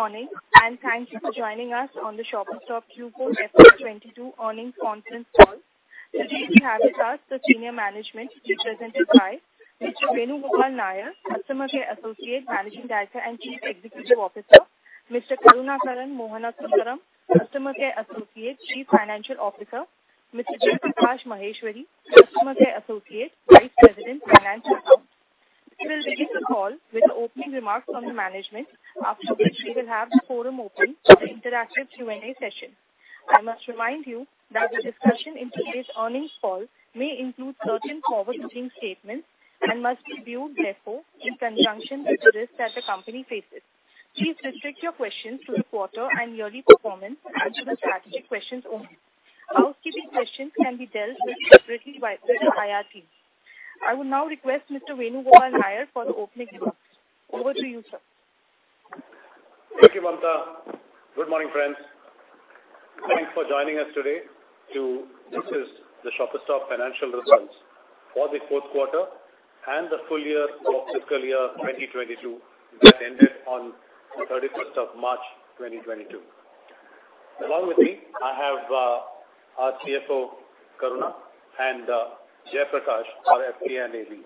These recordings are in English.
Morning, thank you for joining us on the Shoppers Stop Q4 FY 2022 Earnings Conference Call. Today we have with us the senior management represented by Mr. Venugopal Nair, Managing Director and Chief Executive Officer, Mr. Karunakaran Mohanasundaram, Chief Financial Officer, Mr. Jaiprakash Maheshwari, Vice President Finance and Accounts. We will begin the call with opening remarks from the management, after which we will have the floor open for the interactive Q&A session. I must remind you that the discussion in today's earnings call may include certain forward-looking statements and must be viewed therefore in conjunction with the risks that the company faces. Please restrict your questions to the quarter and yearly performance and to the strategic questions only. Housekeeping questions can be dealt with separately by the IR team. I will now request Mr. Venugopal Nair for the opening remarks. Over to you, sir. Thank you, Mamta. Good morning, friends. Thanks for joining us today to discuss the Shoppers Stop financial results for the fourth quarter and the full year of fiscal year 2022 that ended on 31st of March, 2022. Along with me, I have our CFO, Karuna, and Jaiprakash, our FP&A lead.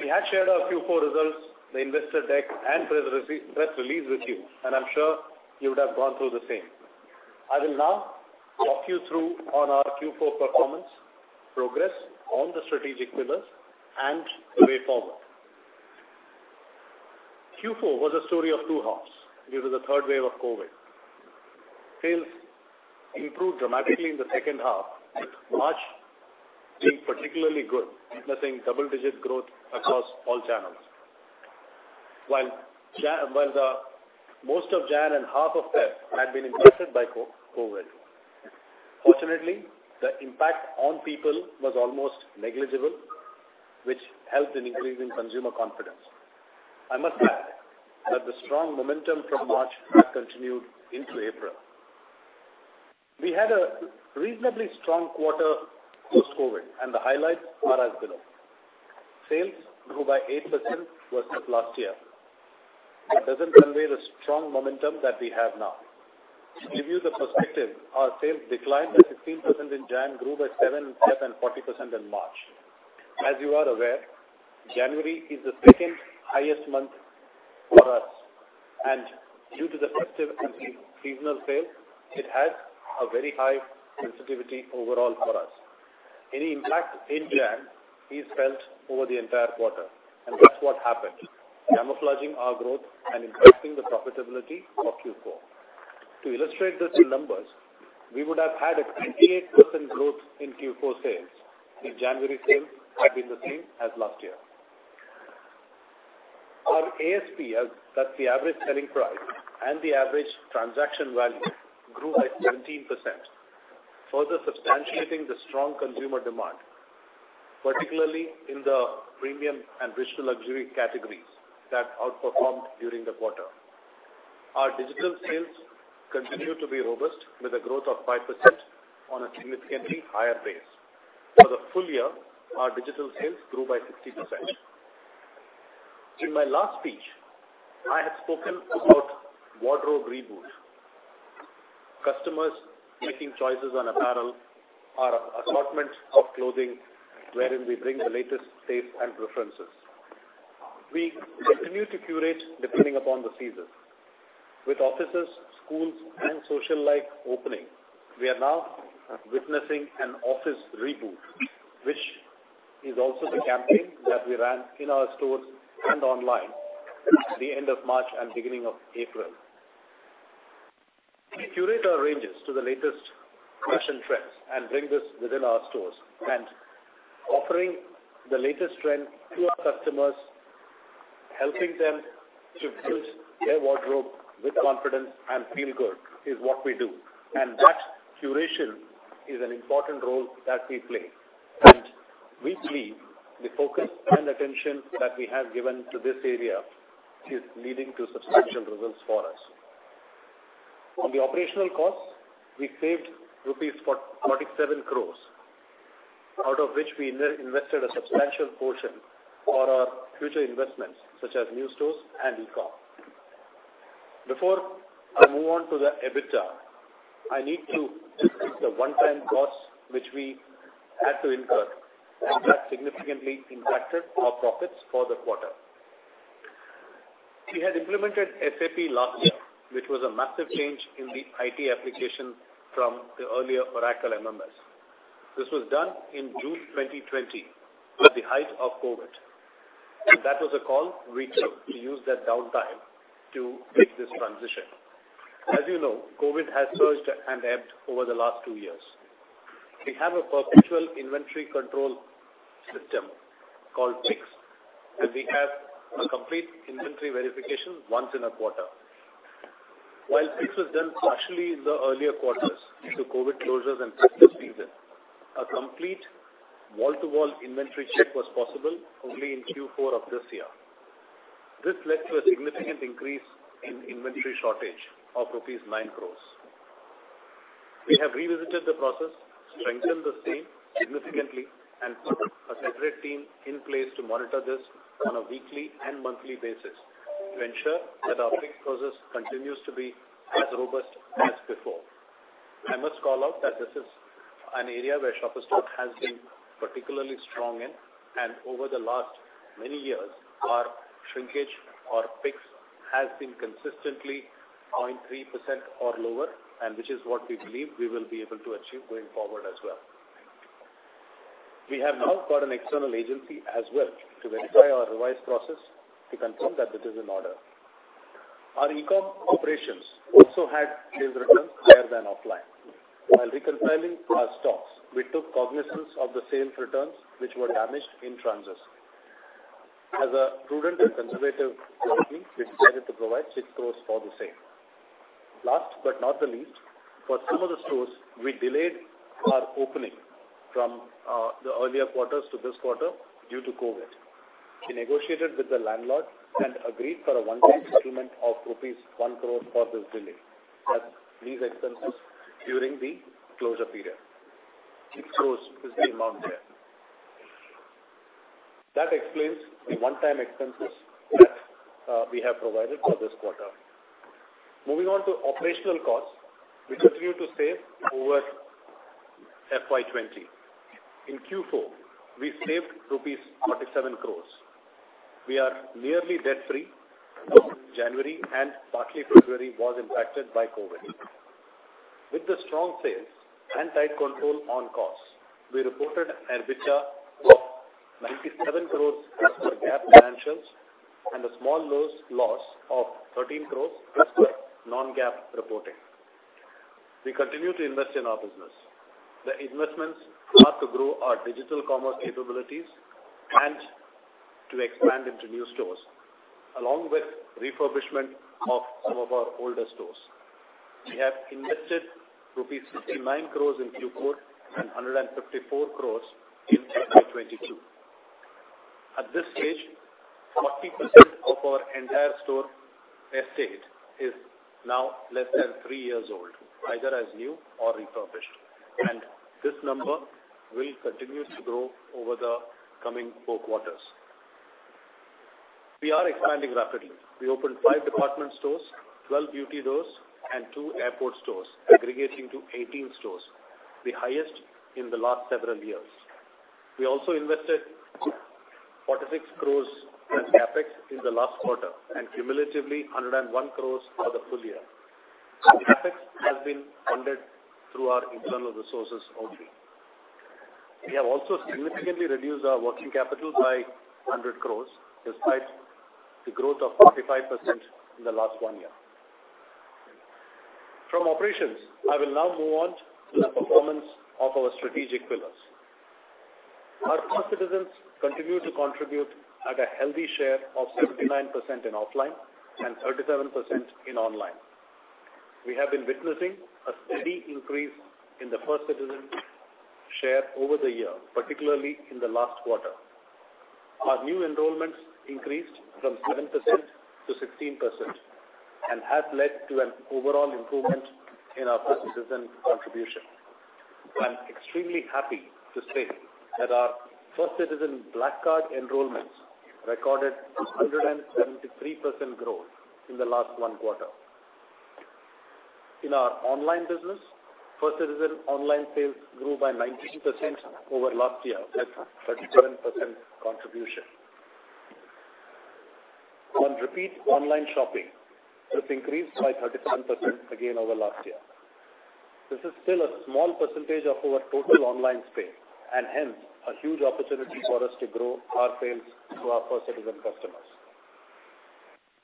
We had shared our Q4 results, the investor deck and press release with you, and I'm sure you would have gone through the same. I will now walk you through on our Q4 performance, progress on the strategic pillars and the way forward. Q4 was a story of two halves due to the third wave of COVID. Sales improved dramatically in the second half, March being particularly good, witnessing double-digit growth across all channels. While the most of January and half of February had been impacted by COVID. Fortunately, the impact on people was almost negligible, which helped in increasing consumer confidence. I must add that the strong momentum from March had continued into April. We had a reasonably strong quarter post-COVID, and the highlights are as below. Sales grew by 8% versus last year. It doesn't convey the strong momentum that we have now. To give you the perspective, our sales declined by 16% in January, grew by 7% in February and 40% in March. As you are aware, January is the second highest month for us, and due to the festive and seasonal sale, it has a very high sensitivity overall for us. Any impact in January is felt over the entire quarter, and that's what happened, camouflaging our growth and impacting the profitability for Q4. To illustrate this in numbers, we would have had a 28% growth in Q4 sales if January sales had been the same as last year. Our ASP, that's the average selling price, and the average transaction value grew by 17%, further substantiating the strong consumer demand, particularly in the premium and virtual luxury categories that outperformed during the quarter. Our digital sales continue to be robust with a growth of 5% on a significantly higher base. For the full year, our digital sales grew by 60%. In my last speech, I had spoken about wardrobe reboot. Customers making choices on apparel, our assortment of clothing wherein we bring the latest tastes and preferences. We continue to curate depending upon the seasons. With offices, schools and social life opening, we are now witnessing an office reboot, which is also the campaign that we ran in our stores and online at the end of March and beginning of April. We curate our ranges to the latest fashion trends and bring this within our stores and offering the latest trend to our customers, helping them to build their wardrobe with confidence and feel good is what we do. That curation is an important role that we play. We believe the focus and attention that we have given to this area is leading to substantial results for us. On the operational costs, we saved 47 crores rupees, out of which we invested a substantial portion for our future investments such as new stores and e-com. Before I move on to the EBITDA, I need to discuss the one-time costs which we had to incur, and that significantly impacted our profits for the quarter. We had implemented SAP last year, which was a massive change in the IT application from the earlier Oracle RMS. This was done in June 2020, at the height of COVID, and that was a call we took to use that downtime to make this transition. As you know, COVID has surged and ebbed over the last two years. We have a perpetual inventory control system called PICS, and we have a complete inventory verification once in a quarter. While PICS was done partially in the earlier quarters due to COVID closures and festive season, a complete wall-to-wall inventory check was possible only in Q4 of this year. This led to a significant increase in inventory shortage of rupees 9 crore. We have revisited the process, strengthened the same significantly, and put a separate team in place to monitor this on a weekly and monthly basis to ensure that our pick process continues to be as robust as before. I must call out that this is an area where Shoppers Stop has been particularly strong in, and over the last many years our shrinkage or picks has been consistently 0.3% or lower and which is what we believe we will be able to achieve going forward as well. We have now got an external agency as well to verify our revised process to confirm that it is in order. Our eCom operations also had sales returns higher than offline. While recompiling our stocks, we took cognizance of the sales returns which were damaged in transit. As a prudent and conservative policy, we decided to provide INR 6 crore for the same. Last but not the least, for some of the stores, we delayed our opening from the earlier quarters to this quarter due to COVID. We negotiated with the landlord and agreed for a one-time settlement of rupees 1 crore for this delay, that these expenses during the closure period. INR 6 crore is the amount there. That explains the one-time expenses that we have provided for this quarter. Moving on to operational costs. We continue to save over FY 2020. In Q4, we saved 47 crore rupees. We are nearly debt-free from January, and partly February was impacted by COVID. With the sales and tight control on costs, we reported EBITDA of 97 crore as per GAAP financials and a small loss of 13 crore as per non-GAAP reporting. We continue to invest in our business. The investments are to grow our digital commerce capabilities and to expand into new stores, along with refurbishment of some of our older stores. We have invested rupees 69 crores in Q4 and 154 crores rupees in FY 2022. At this stage, 40% of our entire store estate is now less than three years old, either as new or refurbished, and this number will continue to grow over the coming four quarters. We are expanding rapidly. We opened five department stores, 12 beauty stores and two airport stores aggregating to 18 stores, the highest in the last several years. We also invested 46 crores as CapEx in the last quarter and cumulatively 101 crores for the full year. CapEx has been funded through our internal resources only. We have also significantly reduced our working capital by 100 crores despite the growth of 45% in the last one year. From operations, I will now move on to the performance of our strategic pillars. Our First Citizens continue to contribute at a healthy share of 79% in offline and 37% in online. We have been witnessing a steady increase in the First Citizen share over the year, particularly in the last quarter. Our new enrollments increased from 7%-16% and has led to an overall improvement in our First Citizen contribution. I'm extremely happy to say that our First Citizen Black Card enrollments recorded a 173% growth in the last one quarter. In our online business, First Citizen online sales grew by 19% over last year at 37% contribution. On repeat online shopping, it has increased by 37% again over last year. This is still a small percentage of our total online spend and hence a huge opportunity for us to grow our sales to our First Citizen customers.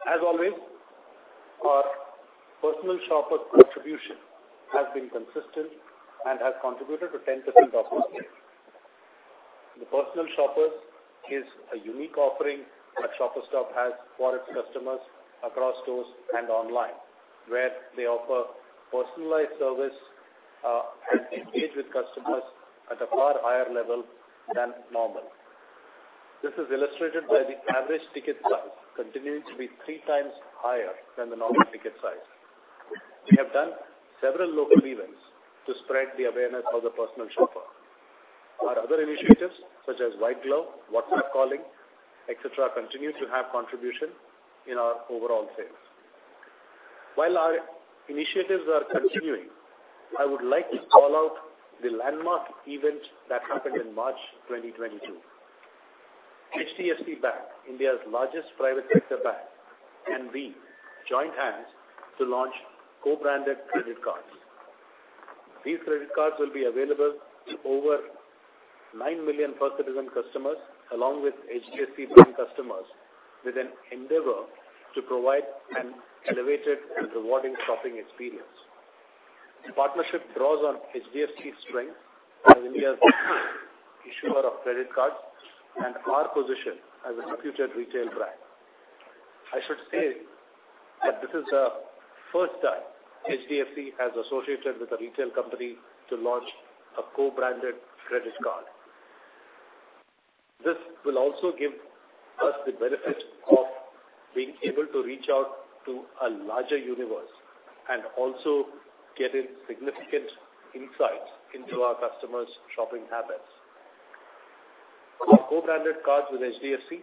As always, our personal shopper contribution has been consistent and has contributed to 10% of our sales. The personal shoppers is a unique offering that Shoppers Stop has for its customers across stores and online, where they offer personalized service and engage with customers at a far higher level than normal. This is illustrated by the average ticket size continuing to be three times higher than the normal ticket size. We have done several local events to spread the awareness of the personal shopper. Our other initiatives such as White Glove, WhatsApp calling, et cetera, continue to have contribution in our overall sales. While our initiatives are continuing, I would like to call out the landmark event that happened in March 2022. HDFC Bank, India's largest private sector bank, and we joined hands to launch co-branded credit cards. These credit cards will be available to over 9 million First Citizen customers, along with HDFC Bank customers, with an endeavor to provide an elevated and rewarding shopping experience. The partnership draws on HDFC's strength as India's issuer of credit cards and our position as a reputed retail brand. I should say that this is the first time HDFC has associated with a retail company to launch a co-branded credit card. This will also give us the benefit of being able to reach out to a larger universe and also getting significant insights into our customers' shopping habits. Our co-branded cards with HDFC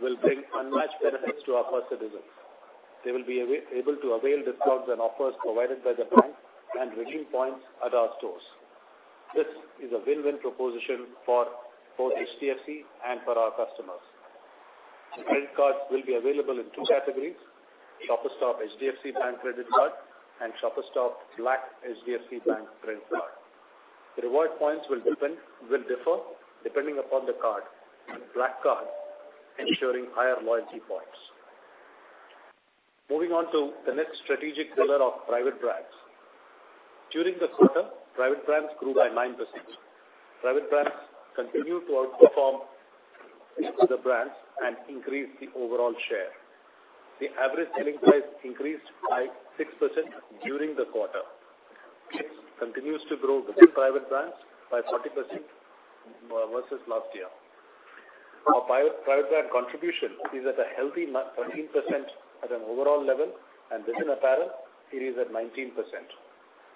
will bring unmatched benefits to our First Citizens. They will be able to avail discounts and offers provided by the bank and redeem points at our stores. This is a win-win proposition for both HDFC and for our customers. The credit cards will be available in two categories, Shoppers Stop HDFC Bank Credit Card, and Shoppers Stop BLACK HDFC Bank Credit Card. The reward points will differ depending upon the card, with BLACK Card ensuring higher loyalty points. Moving on to the next strategic pillar of private brands. During the quarter, private brands grew by 9%. Private brands continued to outperform the other brands and increase the overall share. The average selling price increased by 6% during the quarter. Mix continues to grow within private brands by 40% versus last year. Our private brand contribution is at a healthy 19% at an overall level, and within apparel it is at 19%.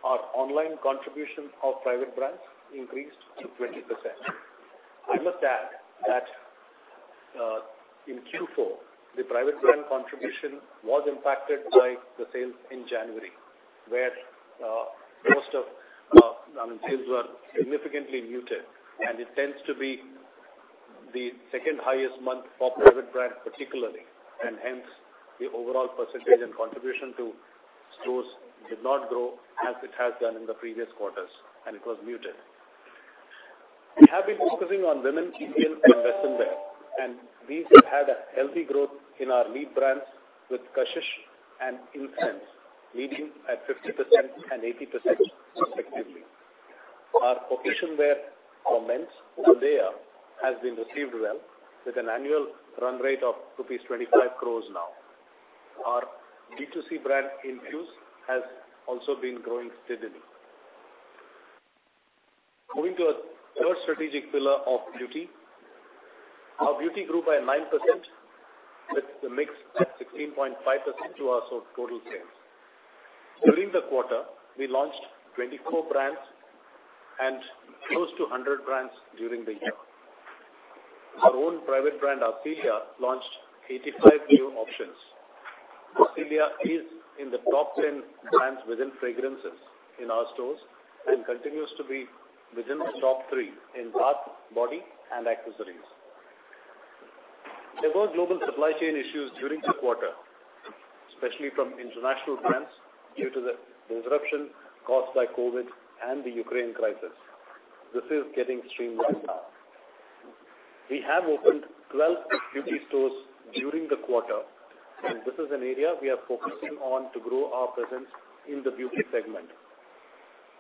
Our online contribution of private brands increased to 20%. I must add that, in Q4, the private brand contribution was impacted by the sales in January, where, most of, I mean, sales were significantly muted, and it tends to be the second highest month for private brand particularly. Hence, the overall percentage and contribution to stores did not grow as it has done in the previous quarters, and it was muted. We have been focusing on women's ethnic and leisure wear, and these have had a healthy growth in our lead brands with Kashish and Intune leading at 50% and 80% respectively. Our occasion wear for men's, Bandeya, has been received well with an annual run rate of rupees 25 crore now. Our D2C brand, Infuse, has also been growing steadily. Moving to a third strategic pillar of beauty. Our beauty grew by 9%, with the mix at 16.5% to our total sales. During the quarter, we launched 24 brands and close to 100 brands during the year. Our own private brand, Arcelia, launched 85 new options. Arcelia is in the top 10 brands within fragrances in our stores and continues to be within the top three in bath, body, and accessories. There were global supply chain issues during the quarter, especially from international brands due to the disruption caused by COVID and the Ukraine crisis. This is getting streamlined now. We have opened 12 beauty stores during the quarter, and this is an area we are focusing on to grow our presence in the beauty segment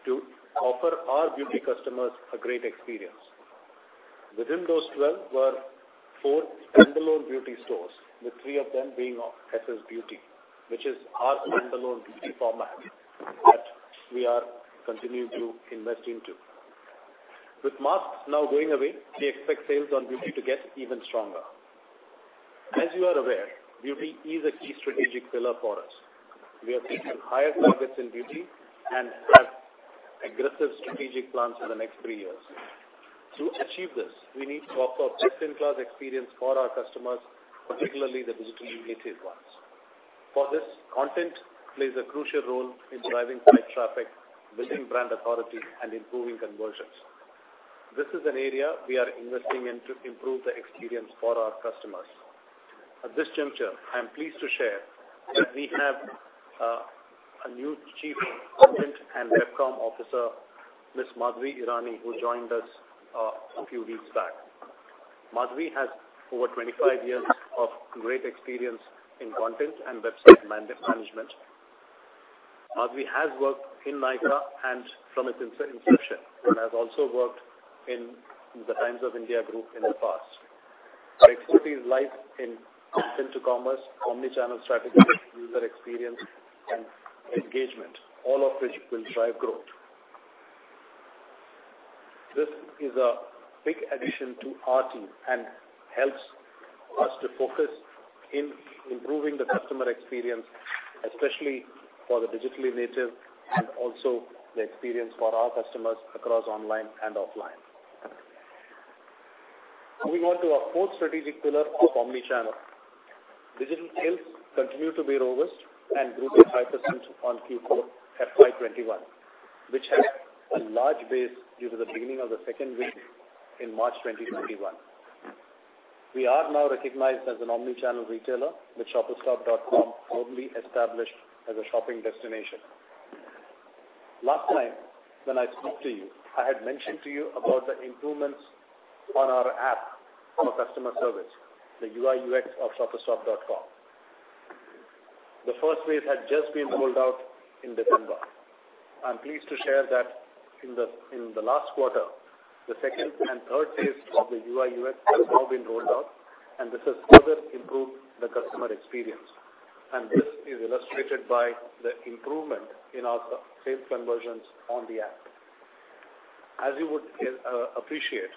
to offer our beauty customers a great experience. Within those 12 were four standalone beauty stores, with three of them being of SS Beauty, which is our standalone beauty format that we are continuing to invest into. With masks now going away, we expect sales on beauty to get even stronger. As you are aware, beauty is a key strategic pillar for us. We have taken higher targets in beauty and have aggressive strategic plans for the next three years. To achieve this, we need to offer best in class experience for our customers, particularly the digitally native ones. For this, content plays a crucial role in driving site traffic, building brand authority and improving conversions. This is an area we are investing in to improve the experience for our customers. At this juncture, I am pleased to share that we have a new Chief of Content and Webcomm Officer, Ms. Madhavi Irani, who joined us a few weeks back. Madhavi has over 25 years of great experience in content and website management. Madhavi has worked in Nykaa from its inception, and has also worked in the Times of India Group in the past. Her expertise lies in content to commerce, omni-channel strategies, user experience and engagement, all of which will drive growth. This is a big addition to our team and helps us to focus in improving the customer experience, especially for the digitally native and also the experience for our customers across online and offline. Moving on to our fourth strategic pillar of omni-channel. Digital sales continue to be robust and grew by 5% on Q4 FY 2021, which had a large base due to the beginning of the second wave in March 2021. We are now recognized as an omni-channel retailer with shoppersstop.com firmly established as a shopping destination. Last time when I spoke to you, I had mentioned to you about the improvements on our app for customer service, the UI/UX of shoppersstop.com. The first phase had just been rolled out in December. I'm pleased to share that in the last quarter, the second and third phase of the UI/UX has now been rolled out, and this has further improved the customer experience. This is illustrated by the improvement in our sales conversions on the app. As you would appreciate,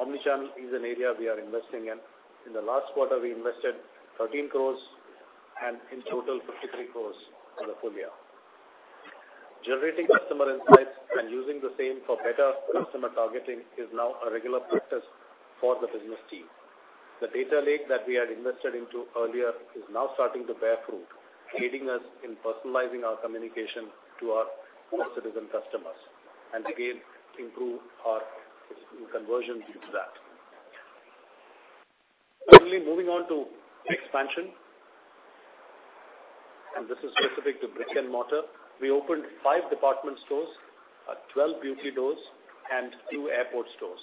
omni-channel is an area we are investing in. In the last quarter, we invested 13 crore and in total 53 crore for the full year. Generating customer insights and using the same for better customer targeting is now a regular practice for the business team. The data lake that we had invested into earlier is now starting to bear fruit, aiding us in personalizing our communication to our First Citizen customers, and again, improve our sales conversions into that. Finally, moving on to expansion, and this is specific to brick and mortar. We opened five department stores, 12 beauty stores and two airport stores.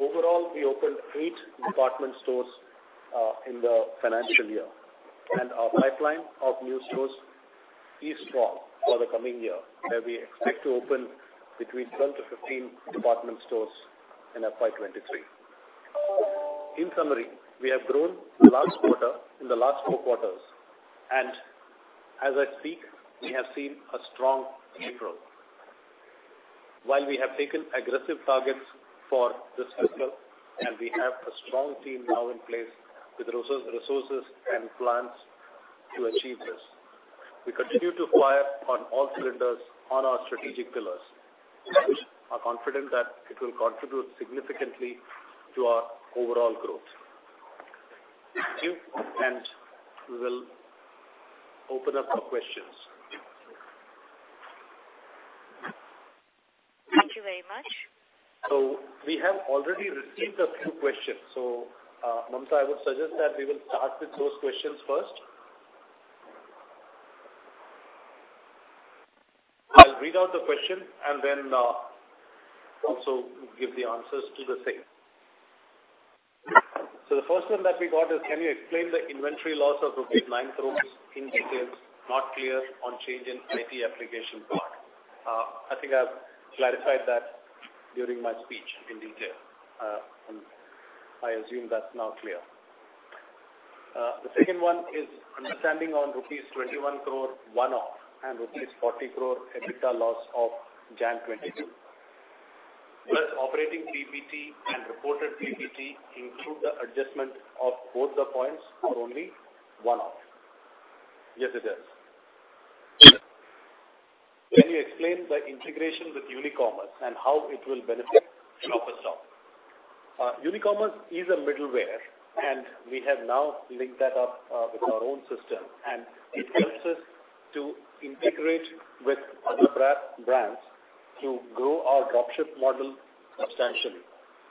Overall, we opened eight department stores in the financial year, and our pipeline of new stores is strong for the coming year, where we expect to open between 12-15 department stores in FY 2023. In summary, we have grown last quarter in the last four quarters, and as I speak, we have seen a strong April. While we have taken aggressive targets for this fiscal, and we have a strong team now in place with resources and plans to achieve this, we continue to fire on all cylinders on our strategic pillars. We are confident that it will contribute significantly to our overall growth. Thank you, and we will open up for questions. Thank you very much. We have already received a few questions. Mamta, I would suggest that we will start with those questions first. I'll read out the question and then, also give the answers to the same. The first one that we got is can you explain the inventory loss of INR 9 crore in details not clear on change in IT application part? I think I've clarified that during my speech in detail. I assume that's now clear. The second one is understanding on rupees 21 crore one-off and rupees 40 crore EBITDA loss of January 2022. Plus operating PBT and reported PBT include the adjustment of both the points or only one off. Yes, it is. Can you explain the integration with Unicommerce and how it will benefit Shoppers Stop? Unicommerce is a middleware, and we have now linked that up with our own system, and it helps us to integrate with other brands to grow our drop ship model substantially.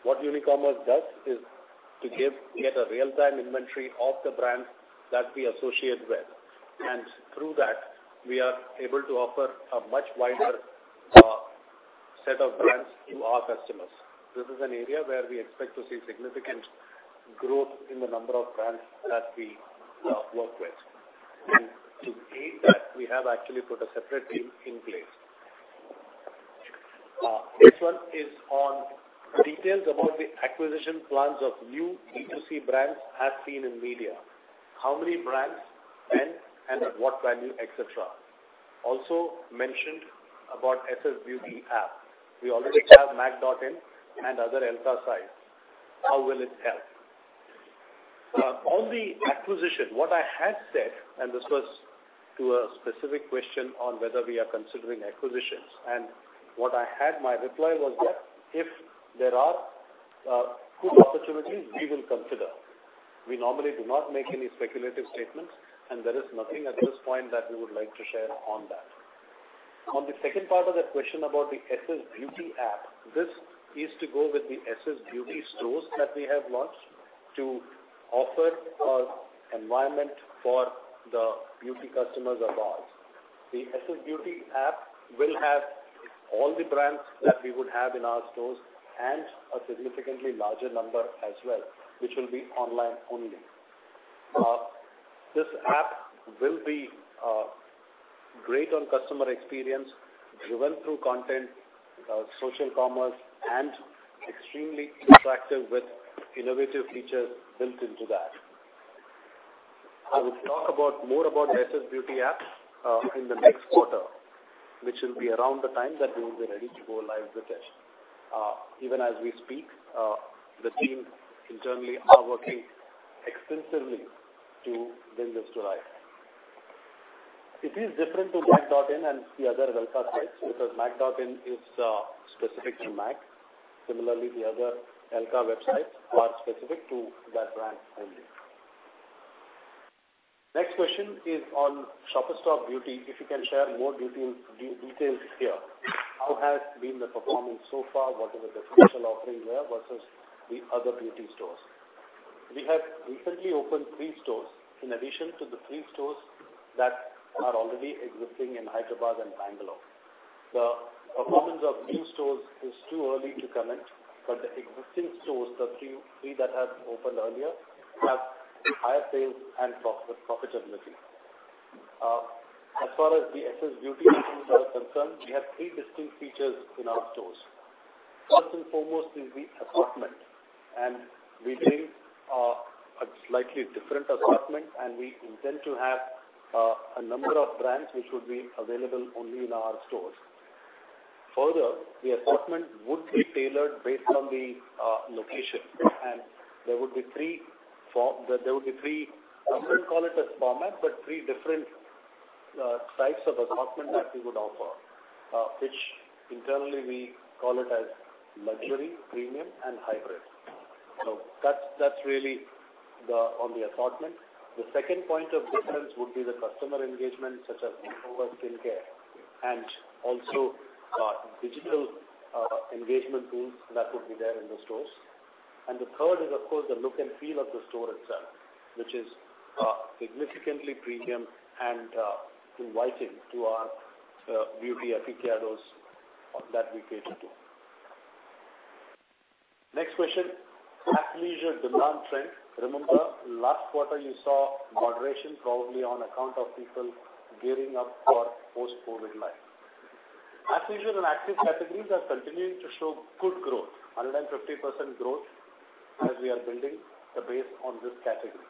What Unicommerce does is to get a real-time inventory of the brands that we associate with, and through that we are able to offer a much wider set of brands to our customers. This is an area where we expect to see significant growth in the number of brands that we work with. To aid that, we have actually put a separate team in place. Next one is on details about the acquisition plans of new D2C brands as seen in media. How many brands, when, and at what value, etcetera. Also mentioned about SSBeauty app. We already have maccosmetics.in and other ELC sites. How will it help? On the acquisition, what I had said, and this was to a specific question on whether we are considering acquisitions and what I had my reply was that if there are good opportunities we will consider. We normally do not make any speculative statements, and there is nothing at this point that we would like to share on that. On the second part of that question about the SSBeauty app, this is to go with the SSBeauty stores that we have launched to offer an environment for the beauty customers of ours. The SSBeauty app will have all the brands that we would have in our stores and a significantly larger number as well, which will be online only. This app will be great on customer experience, driven through content, social commerce and extremely interactive with innovative features built into the app. I will talk more about SSBeauty app in the next quarter, which will be around the time that we will be ready to go live with it. Even as we speak, the team internally are working extensively to bring this to life. It is different to MAC.in and the other ELC sites because MAC.in is specific to MAC. Similarly, the other ELC websites are specific to that brand only. Next question is on Shoppers Stop Beauty. If you can share more details here. How has been the performance so far? What is the special offering there versus the other beauty stores? We have recently opened three stores in addition to the three stores that are already existing in Hyderabad and Bangalore. The performance of new stores is too early to comment, but the existing stores, the three that have opened earlier, have higher sales and profit, profitability. As far as the SS Beauty is concerned, we have three distinct features in our stores. First and foremost is the assortment, and we bring a slightly different assortment, and we intend to have a number of brands which would be available only in our stores. Further, the assortment would be tailored based on the location. There would be three, I wouldn't call it as format, but three different types of assortment that we would offer, which internally we call it as luxury, premium and hybrid. So that's really the on the assortment. The second point of difference would be the customer engagement, such as makeover, skincare and also, digital engagement tools that would be there in the stores. The third is, of course, the look and feel of the store itself, which is significantly premium and inviting to our beauty aficionados that we cater to. Next question, athleisure demand trend. Remember last quarter you saw moderation probably on account of people gearing up for post-COVID life. Athleisure and active categories are continuing to show good growth, 150% growth as we are building the base on this category.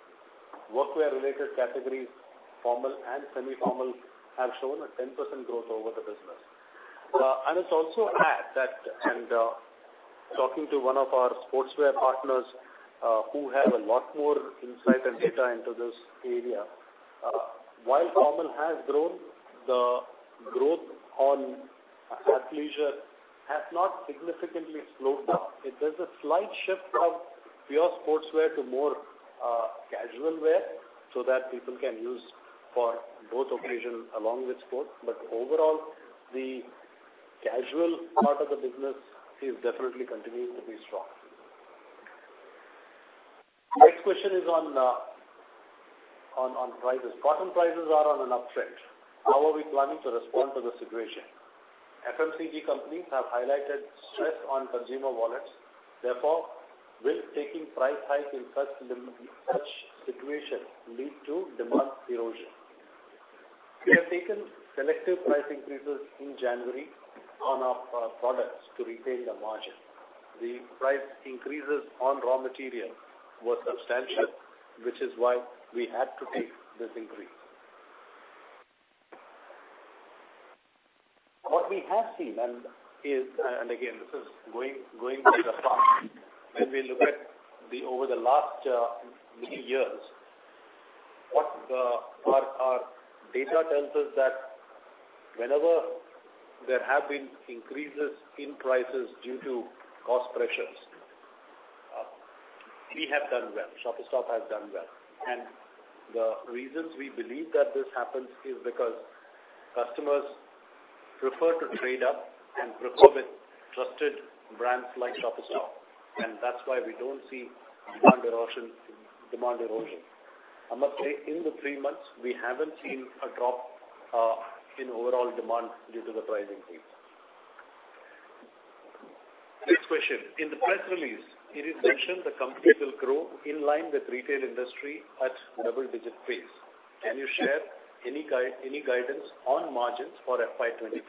Workwear related categories, formal and semi-formal, have shown a 10% growth over the business. I must also add that, talking to one of our sportswear partners, who have a lot more insight and data into this area, while formal has grown, the growth on athleisure has not significantly slowed down. There's a slight shift of pure sportswear to more, casual wear so that people can use for both occasions along with sports. Overall, the casual part of the business is definitely continuing to be strong. Next question is on prices. Cotton prices are on an uptrend. How are we planning to respond to the situation? FMCG companies have highlighted stress on consumer wallets, therefore, will taking price hike in such situation lead to demand erosion? We have taken selective price increases in January on our products to retain the margin. The price increases on raw material were substantial, which is why we had to take this increase. What we have seen is, and again, this is going by the past, when we look over the last many years, what our data tells us that whenever there have been increases in prices due to cost pressures, we have done well. Shoppers Stop has done well. The reasons we believe that this happens is because customers prefer to trade up and prefer with trusted brands like Shoppers Stop, and that's why we don't see demand erosion. I must say, in the three months we haven't seen a drop in overall demand due to the pricing increase. Next question. In the press release, it is mentioned the company will grow in line with retail industry at double-digit pace. Can you share any guidance on margins for FY 2023?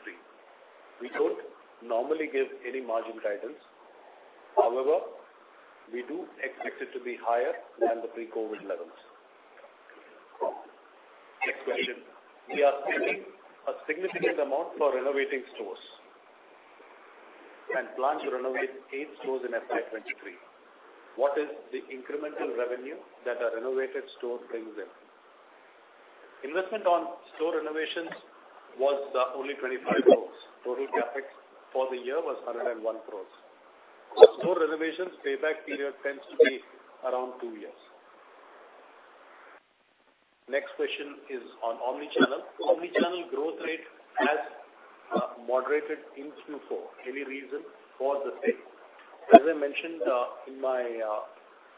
We don't normally give any margin guidance. However, we do expect it to be higher than the pre-COVID levels. Next question. We are spending a significant amount for renovating stores and plan to renovate eight stores in FY 2023. What is the incremental revenue that a renovated store brings in? Investment on store renovations was only 25 crore. Total CapEx for the year was 101 crore. Store renovations payback period tends to be around two years. Next question is on omnichannel. Omnichannel growth rate has moderated in Q4. Any reason for the same? As I mentioned in my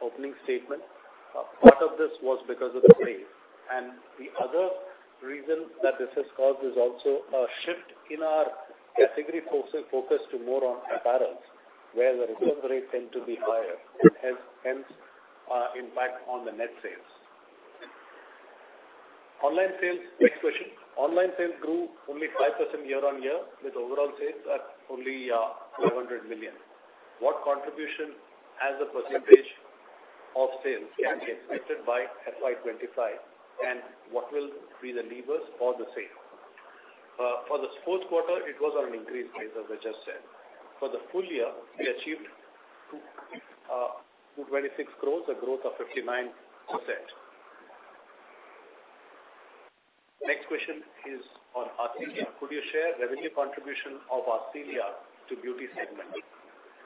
opening statement, part of this was because of the rains. The other reason that this has caused is also a shift in our category focus to more on apparels, where the return rates tend to be higher and has hence impact on the net sales. Online sales. Next question. Online sales grew only 5% year-on-year, with overall sales at only 200 million. What contribution as a percentage of sales can be expected by FY 2025, and what will be the levers for the same? For this fourth quarter it was on an increase pace, as I just said. For the full year, we achieved 226 crores, a growth of 59%. Next question is on Arcelia. Could you share revenue contribution of Arcelia to beauty segment?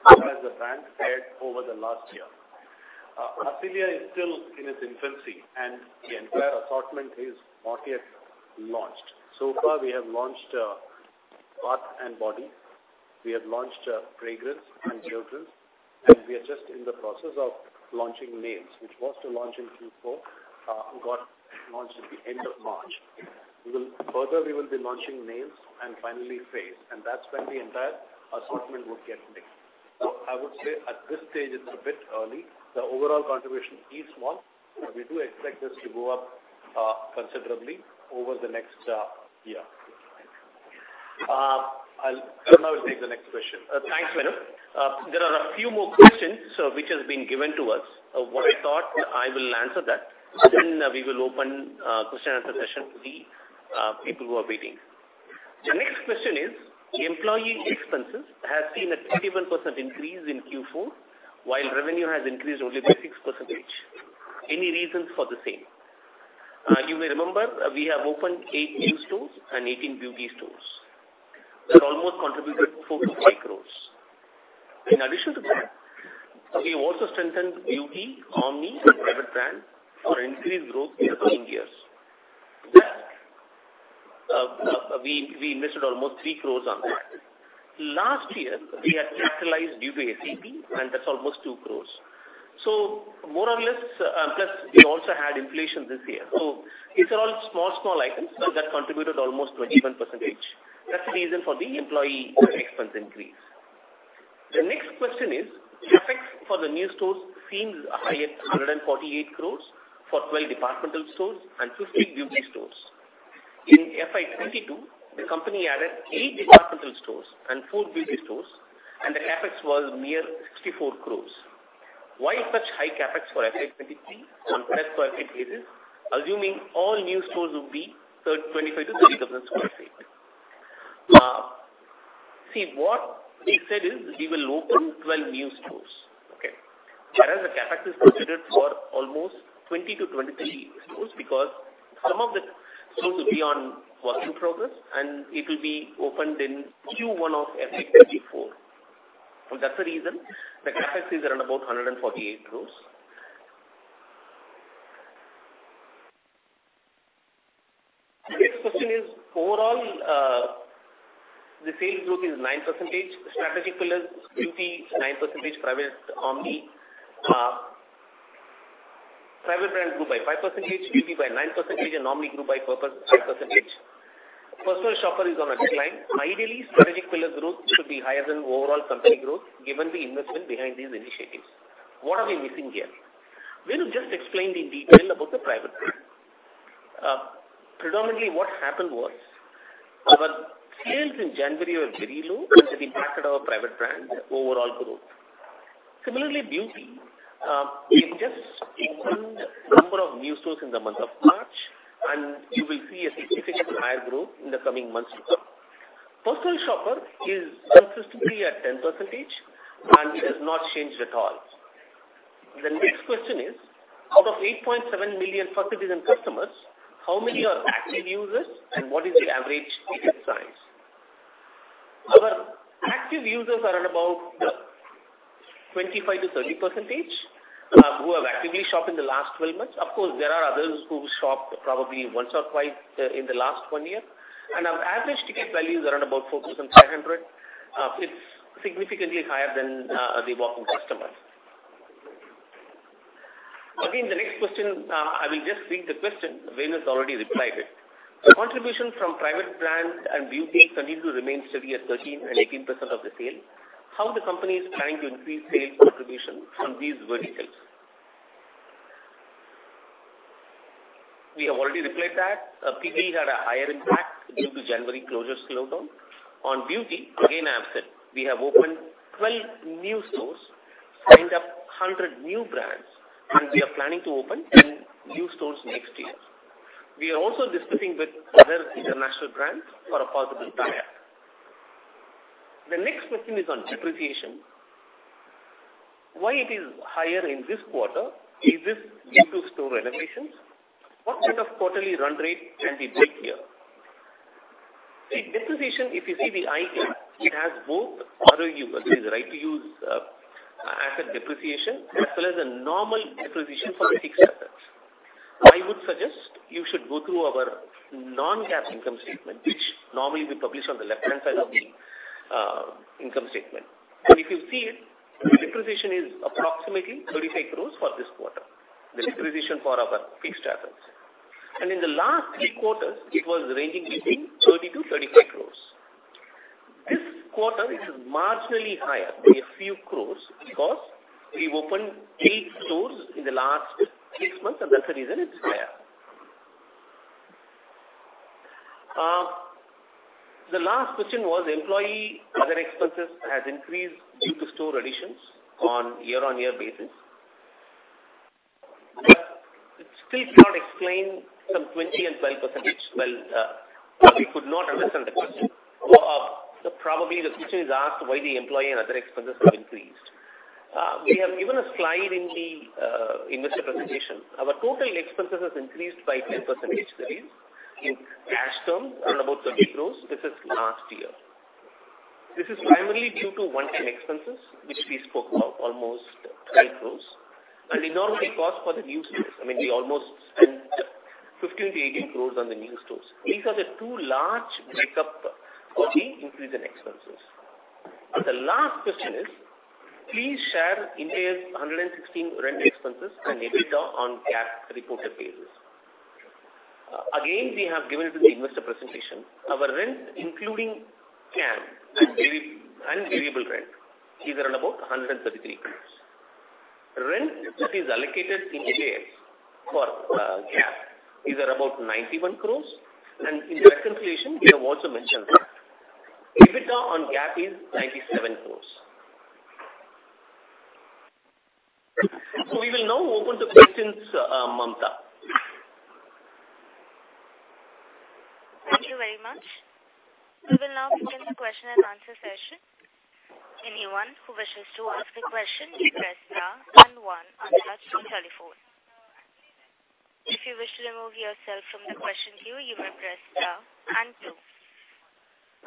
How has the brand fared over the last year? Arcelia is still in its infancy and the entire assortment is not yet launched. So far we have launched bath and body, we have launched fragrance and children's, and we are just in the process of launching nails, which was to launch in Q4, got launched at the end of March. Further, we will be launching nails and finally face, and that's when the entire assortment would get mixed. I would say at this stage it's a bit early. The overall contribution is small, but we do expect this to go up considerably over the next year. Karuna will take the next question. Thanks, Venu. There are a few more questions which has been given to us. What I thought I will answer that, then we will open a question answer session to the people who are waiting. The next question is, employee expenses have seen a 21% increase in Q4, while revenue has increased only by 6%. Any reasons for the same? You may remember we have opened eight new stores and 18 beauty stores that almost contributed 4 crore-5 crore. In addition to that, we also strengthened beauty, Omni, and private brand for increased growth in the coming years. That we invested almost 3 crore on that. Last year, we had capitalized due to ACP, and that's almost 2 crore. More or less, plus we also had inflation this year. These are all small items that contributed almost 21%. That's the reason for the employee expense increase. The next question is, CapEx for the new stores seems high at 148 crore for 12 departmental stores and 15 beauty stores. In FY 2022, the company added eight departmental stores and four beauty stores, and the CapEx was near 64 crore. Why such high CapEx for FY 2023 compared to FY 2022, assuming all new stores will be 25,000-30,000 sq ft? What we said is we will open 12 new stores, okay? Whereas the CapEx is considered for almost 20-23 stores because some of the stores will be on work in progress, and it will be opened in Q1 of FY 2024. That's the reason the CapEx is around about 148 crore. The next question is, overall, the sales growth is 9%. Strategic pillars, beauty 9%, private, Omni. Private brand grew by 5%, beauty by 9%, and Omni grew by 5%. Personal shopper is on a decline. Ideally, strategic pillars growth should be higher than overall company growth given the investment behind these initiatives. What are we missing here? Venu just explained in detail about the private brand. Predominantly, what happened was our sales in January were very low, which impacted our private brand overall growth. Similarly, beauty, we just opened number of new stores in the month of March, and you will see a significantly higher growth in the coming months to come. Personal shopper is consistently at 10% and it has not changed at all. The next question is, out of 8.7 million First Citizen customers, how many are active users and what is the average ticket size? Our active users are at about 25%-30%, who have actively shopped in the last 12 months. Of course, there are others who shop probably once or twice in the last one year. Our average ticket value is around about 4,500. It's significantly higher than the walk-in customers. Again, the next question, I will just read the question. Venu has already replied it. Contribution from private brand and beauty continue to remain steady at 13% and 18% of the sale. How the company is planning to increase sales contribution from these verticals? We have already replied that, PG had a higher impact due to January closures slowdown. On beauty, again, I've said we have opened 12 new stores, signed up 100 new brands, and we are planning to open 10 new stores next year. We are also discussing with other international brands for a possible tie-up. The next question is on depreciation. Why it is higher in this quarter? Is this due to store renovations? What bit of quarterly run rate can we build here? See, depreciation, if you see the item, it has both ROU, that is right to use, asset depreciation, as well as a normal depreciation for fixed assets. I would suggest you should go through our non-GAAP income statement, which normally we publish on the left-hand side of the, income statement. If you see it, the depreciation is approximately 35 crore for this quarter, the depreciation for our fixed assets. In the last three quarters, it was ranging between 30 crore-35 crore. This quarter it is marginally higher by a few crore because we opened eight stores in the last six months, and that's the reason it is higher. The last question was employee other expenses has increased due to store additions on year-on-year basis. It still cannot explain some 20% and 12%. Well, we could not understand the question. Probably the question is asked why the employee and other expenses have increased. We have given a slide in the investor presentation. Our total expenses has increased by 10%, that is in cash terms around about 30 crore versus last year. This is primarily due to one-time expenses, which we spoke about almost 12 crore, and the normal cost for the new stores. I mean, we almost spent 15 crore-18 crore on the new stores. These are the two large make up for the increase in expenses. The last question is, please share Ind AS 116 rent expenses and EBITDA on GAAP reported basis. Again, we have given to the investor presentation. Our rent, including CAM and variable rent is around about 133 crores. Rent that is allocated in JFs for GAAP is at about 91 crores. In that calculation, we have also mentioned that. EBITDA on GAAP is 97 crores. We will now open to questions, Mamta. Thank you very much. We will now begin the question and answer session. Anyone who wishes to ask a question, you press star and one on their telephone. If you wish to remove yourself from the question queue, you may press star and two.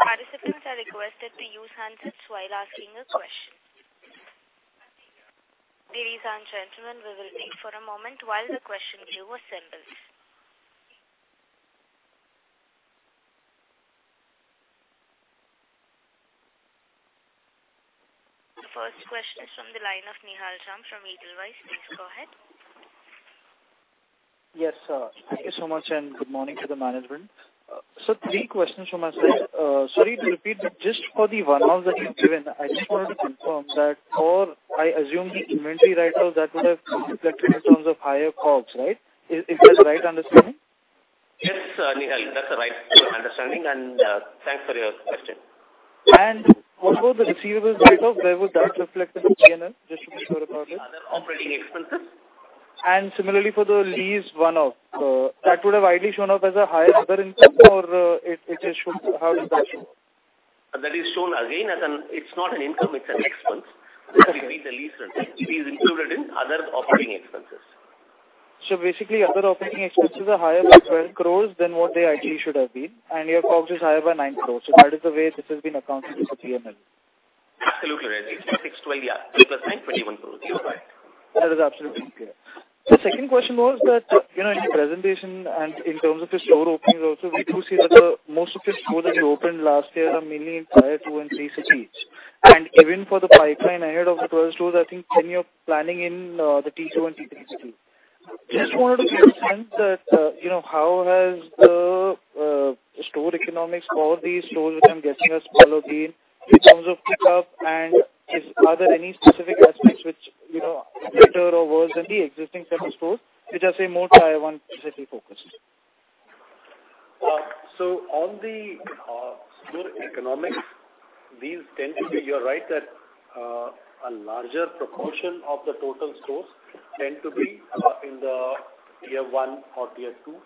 Participants are requested to use handsets while asking a question. Ladies and gentlemen, we will wait for a moment while the question queue assembles. The first question is from the line of Nihal Jham from Edelweiss. Please go ahead. Yes, sir. Thank you so much, and good morning to the management. Three questions from my side. Sorry to repeat, but just for the one-off that you've given, I just wanted to confirm that for, I assume, the inventory write-off that would have reflected in terms of higher costs, right? Is that the right understanding? Yes, Nihal, that's the right understanding, and, thanks for your question. Also the receivables write-off, where would that reflect in the P&L, just to be sure about it? Other operating expenses. Similarly for the lease run-off, that would have ideally shown up as a higher other income or it just shows. How does that show? That is shown again. It's not an income, it's an expense. It would be the lease expense. It is included in other operating expenses. Basically other operating expenses are higher by 12 crore than what they ideally should have been, and your COGS is higher by 9 crore. That is the way this has been accounted for the PNL. Absolutely right. 21 crore. You are right. That is absolutely clear. The second question was that, you know, in your presentation and in terms of your store openings also, we do see that, most of your stores that you opened last year are mainly in Tier 2 and 3 cities. Even for the pipeline ahead of the 12 stores, I think 10 you're planning in, the Tier 2 and Tier 3 city. Just wanted to get a sense that, you know, how has the, store economics for these stores, which I'm guessing are smaller than in terms of pick-up and are there any specific aspects which, you know, better or worse than the existing set of stores which are, say, more Tier 1 city focused? On the store economics, these tend to be, you're right that a larger proportion of the total stores tend to be in the Tier one or Tier two.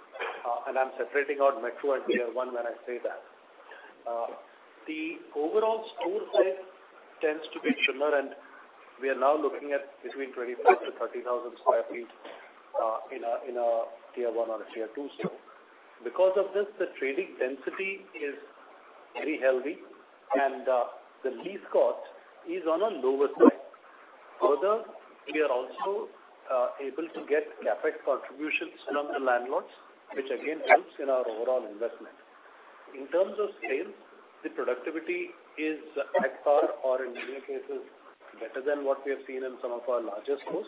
I'm separating out Metro and Tier one when I say that. The overall store mix tends to be similar, and we are now looking at between 25,000-30,000 sq ft in a Tier one or a Tier two store. Because of this, the trading density is very healthy and the lease cost is on a lower side. Further, we are also able to get CapEx contributions from the landlords, which again helps in our overall investment. In terms of sales, the productivity is at par or in many cases better than what we have seen in some of our larger stores.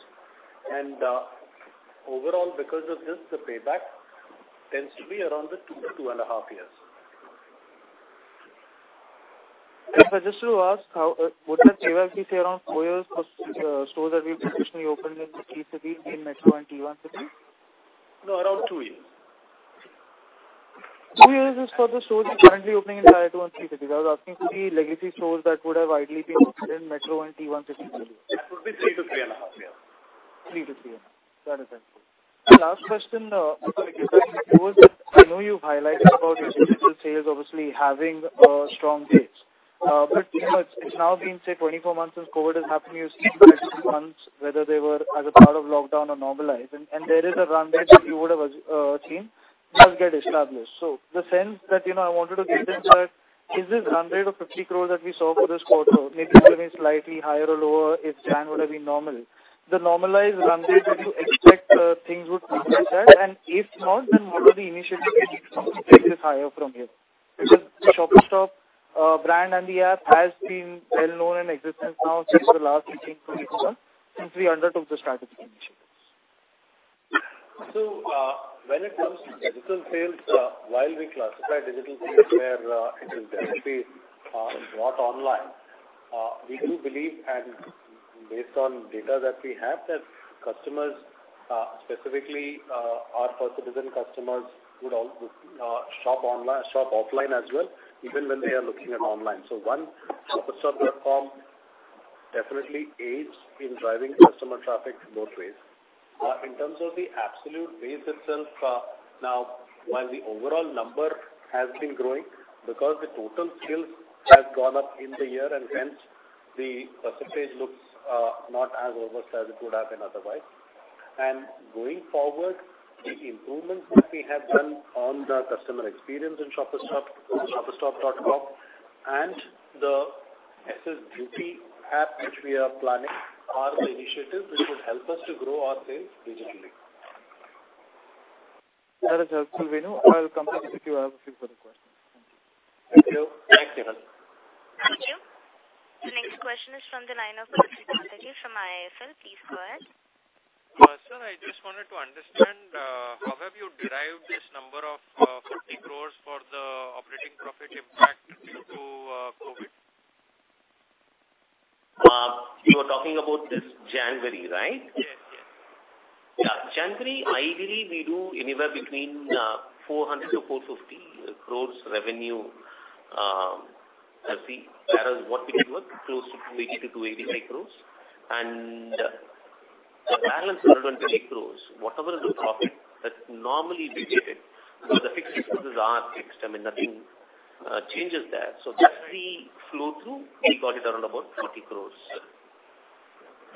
Overall, because of this, the payback tends to be around two to two and a half years. Just to ask, how would the payback be, say, around four years for stores that we've traditionally opened in the key cities in metro and Tier 1 cities? No, around two years. Two years is for the stores you're currently opening in Tier 2 and 3 cities. I was asking for the legacy stores that would have ideally been opened in Metro and Tier 1 cities only. That would be three to three and a half years. Three to three and a half. That is helpful. Last question, I'm sorry I know you've highlighted about your digital sales obviously having a strong base. But you know, it's now been, say, 24 months since COVID has happened. You've seen the past two months whether they were as a part of lockdown or normalized, and there is a run rate that you would have seen just get established. The sense that, you know, I wanted to get into that is this 100 crore or 50 crore that we saw for this quarter maybe would have been slightly higher or lower if January would have been normal. The normalized run rate, would you expect things would come to that? If not, then what are the initiatives that you can take this higher from here? Because the Shoppers Stop brand and the app has been well known in existence now since the last 18-20 months since we undertook the strategic initiatives. When it comes to digital sales, while we classify digital sales where it is directly brought online, we do believe, and based on data that we have, that customers, specifically, our First Citizen customers would shop offline as well, even when they are looking online. One, Shoppers Stop platform definitely aids in driving customer traffic both ways. In terms of the absolute base itself, now while the overall number has been growing because the total sales has gone up in the year and hence the percentage looks not as robust as it would have been otherwise. Going forward, the improvements that we have done on the customer experience in Shoppers Stop, shoppersstop.com, and the SSBeauty app which we are planning are the initiatives which would help us to grow our sales digitally. That is helpful, Venu. I will come back to you if I have a few further questions. Thank you. Thank you. The next question is from the line of IIFL. Please go ahead. Sir, I just wanted to understand how have you derived this number of 50 crore for the operating profit impact due to COVID? You are talking about this January, right? Yes. Yes. January, ideally we do anywhere between 400 crore-450 crores revenue. As the balance, what we did was close to 280 crore-285 crores. The balance 120 crores, whatever is the profit that normally we get it because the fixed costs are fixed. I mean, nothing changes there. Every flow through, we got it around about 30 crores.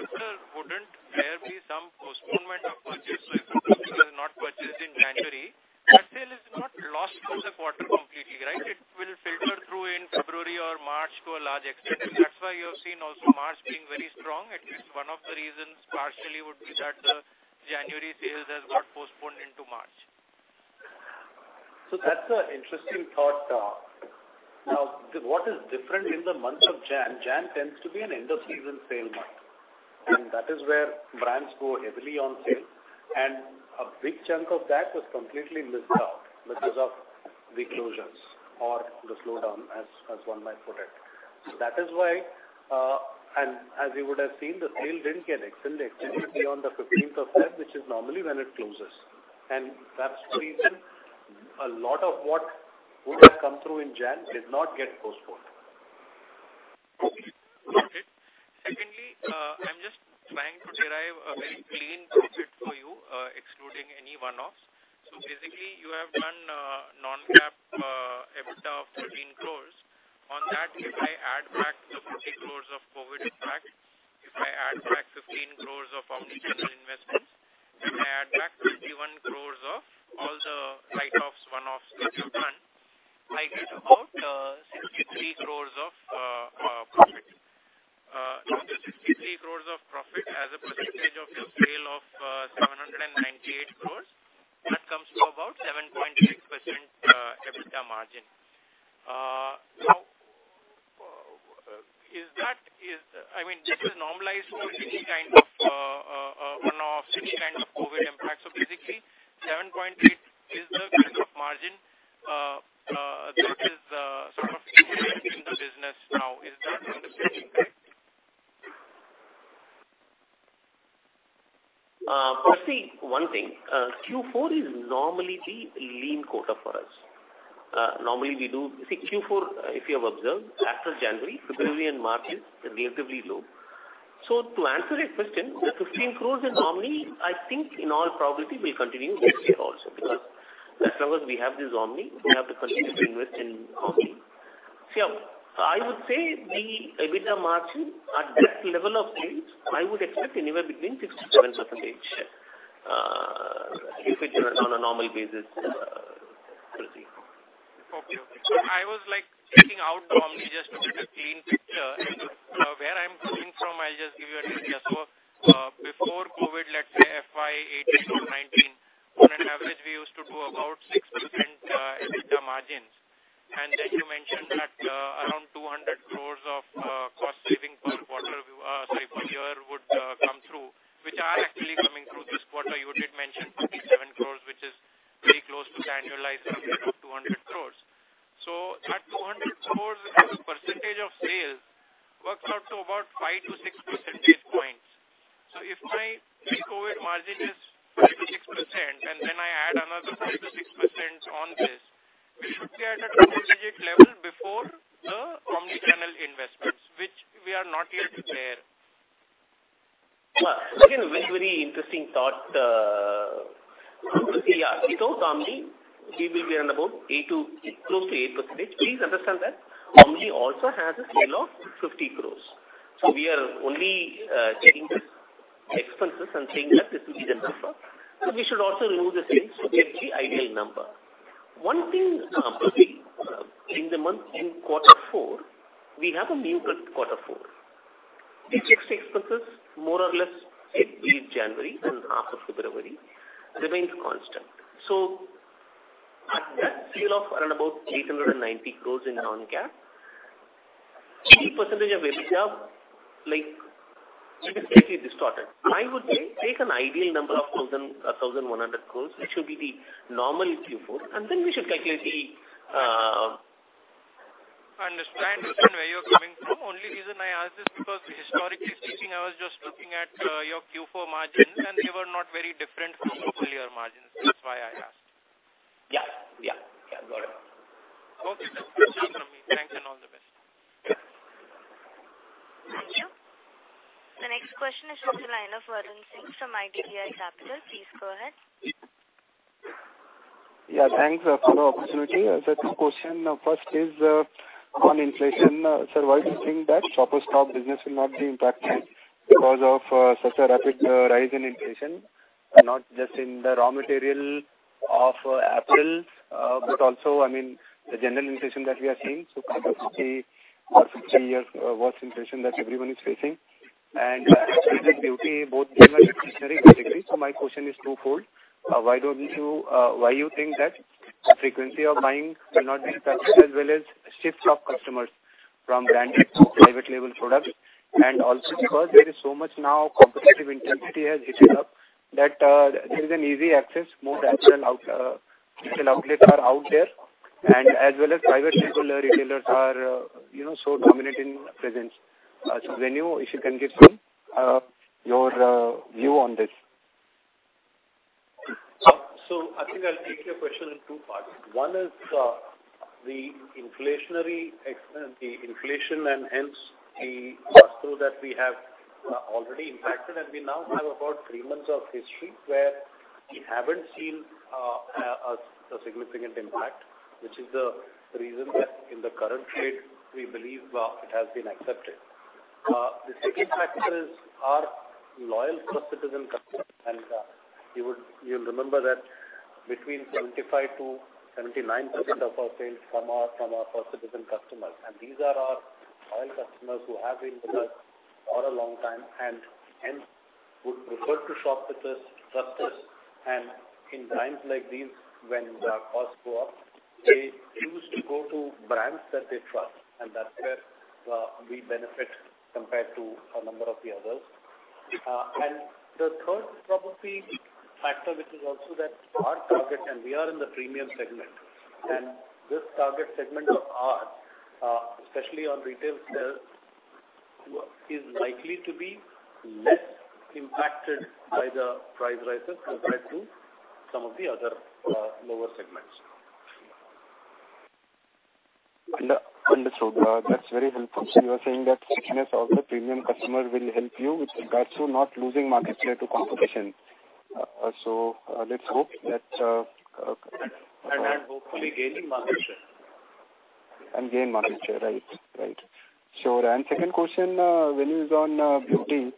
Sir, wouldn't there be some postponement of purchase if the purchase was not purchased in January? That sale is not lost from the quarter completely, right? It will filter through in February or March to a large extent. That's why you have seen also March being very strong. At least one of the reasons partially would be that the January sales has got postponed into March. That's an interesting thought. Now what is different in the month of January? January tends to be an end of season sale month, and that is where brands go heavily on sale. A big chunk of that was completely missed out because of the closures or the slowdown, as one might put it. That is why, and as you would have seen, the sale didn't get extended beyond the 15th of February, which is normally when it closes. That's the reason a lot of what would have come through in January did not get postponed. Okay. Secondly, I'm just trying to derive a very clean concept for you, excluding any one-offs. Basically you have done non-GAAP EBITDA of 13 crores. On that, if I add back the 50 crores of COVID impact, if I add back 15 crores of omnichannel investments, if I add back 21 crores of all the write-offs, one-offs that you've done, I get about 63 crores of profit. Now the 63 crores of profit as a percentage of your sale of 798 crores, that comes to about 7.6% EBITDA margin. I mean, this is normalized for any kind of one-off, any kind of COVID impact. Basically 7.8% is the kind of margin, that is, sort of in the business now. Is that understanding correct? Firstly, one thing, Q4 is normally the lean quarter for us. See, Q4, if you have observed after January, February and March is relatively low. To answer your question, the 15 crore in Omni, I think in all probability will continue next year also, because as long as we have this Omni, we have to continue to invest in Omni. See, I would say the EBITDA margin at that level of sales, I would expect anywhere between 6%-7%, Percy. I was like taking out Omni just to get a clean picture. Where I'm coming from, I'll just give you an idea. Before COVID, let's say FY 2018 or 2019, on average, we used to do about 6% EBITDA margins. Then you mentioned that around INR 200 crore of cost saving per year would come through, which are actually coming through this quarter. You did mention INR 27 crore, which is very close to annualized number of INR 200 crore. That INR 200 crore as a percentage of sales works out to about 5-6 percentage points. If my pre-COVID margin is 5%-6% and then I add another 5%-6% on this, we should be at a double-digit level before the omnichannel investments, which we are not yet there. Yeah. Again, a very, very interesting thought. Without Omni, we will be around about 8 to close to 8%. Please understand that Omni also has a sale of INR 50 crore. So we are only taking the expenses and saying that this will be the number. So we should also remove the sales to get the ideal number. One thing, Percy, in the month, in Q4, we have a new Q4. The fixed expenses more or less it will January and half of February remains constant. So at that scale of around about 890 crore in non-GAAP, any percentage of EBITDA, like, it is slightly distorted. I would say take an ideal number of 1,000-1,100 crore, which should be the normal Q4, and then we should calculate the. I understand where you're coming from. Only reason I ask this because historically speaking, I was just looking at your Q4 margins, and they were not very different from your full year margins. That's why I asked. Yeah. Got it. Okay. No more questions from me. Thanks and all the best. Thank you. The next question is from the line of Varun Singh from IDBI Capital. Please go ahead. Thanks for the opportunity. The first question first is on inflation. Sir, why do you think that Shoppers Stop business will not be impacted because of such a rapid rise in inflation, not just in the raw material of apparel, but also, I mean, the general inflation that we are seeing, so kind of 50 or 50-year worst inflation that everyone is facing? Beauty, both of them are discretionary basically. My question is twofold. Why you think that frequency of buying will not be impacted as well as shifts of customers from branded to private label products? Because there is so much now competitive intensity has heated up that there is an easy access, more and more digital outlets are out there, and as well as private label retailers are, you know, so dominant in presence. Venu, if you can give me your view on this. I think I'll take your question in two parts. One is the inflation and hence the cost through that we have already impacted. We now have about three months of history where we haven't seen a significant impact, which is the reason that in the current trade we believe it has been accepted. The second factor is our loyal First Citizen customer. You'll remember that between 75%-79% of our sales come from our First Citizen customers, and these are our loyal customers who have been with us for a long time and, hence, would prefer to shop with us, trust us. In times like these, when the costs go up, they choose to go to brands that they trust, and that's where we benefit compared to a number of the others. The third probably factor, which is also that our target and we are in the premium segment, and this target segment of ours, especially on retail sales, is likely to be less impacted by the price rises compared to some of the other, lower segments. Understood. That's very helpful. You are saying that stickiness of the premium customer will help you with regards to not losing market share to competition. Let's hope that. Hopefully gaining market share. Gain market share. Right. Sure. Second question, Venu, is on beauty.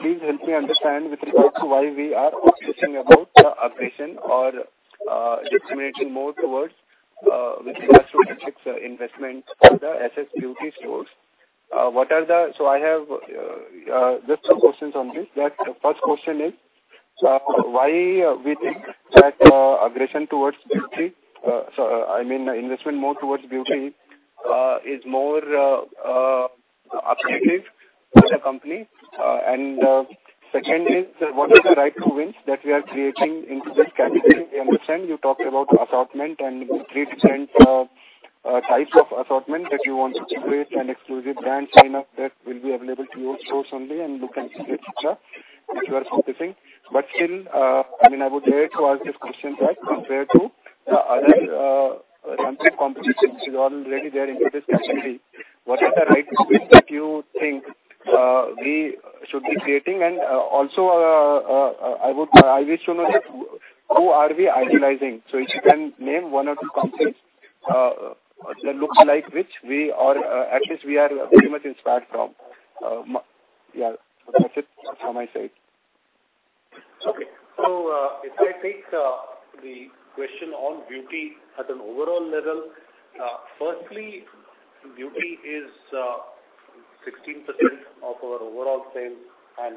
Please help me understand with regards to why we are switching about the aggression or discriminating more towards with regards to CapEx investments for the SSBeauty stores. I have just two questions on this. The first question is why we think that aggression towards beauty, so I mean, investment more towards beauty is more attractive to the company? Second is, what is the right to win that we are creating into this category? We understand you talked about assortment and three different types of assortment that you want to create and exclusive brand sign up that will be available to your stores only, and you can see et cetera, which you are focusing. Still, I mean, I would dare to ask this question that compared to the other country competition which is already there into this category, what is the right win that you think we should be creating? Also, I wish to know that who are we idolizing? If you can name one or two countries that looks like which we are, at least we are very much inspired from. Yeah, that's it from my side. Okay. If I take the question on beauty at an overall level, firstly, beauty is 16% of our overall sales. On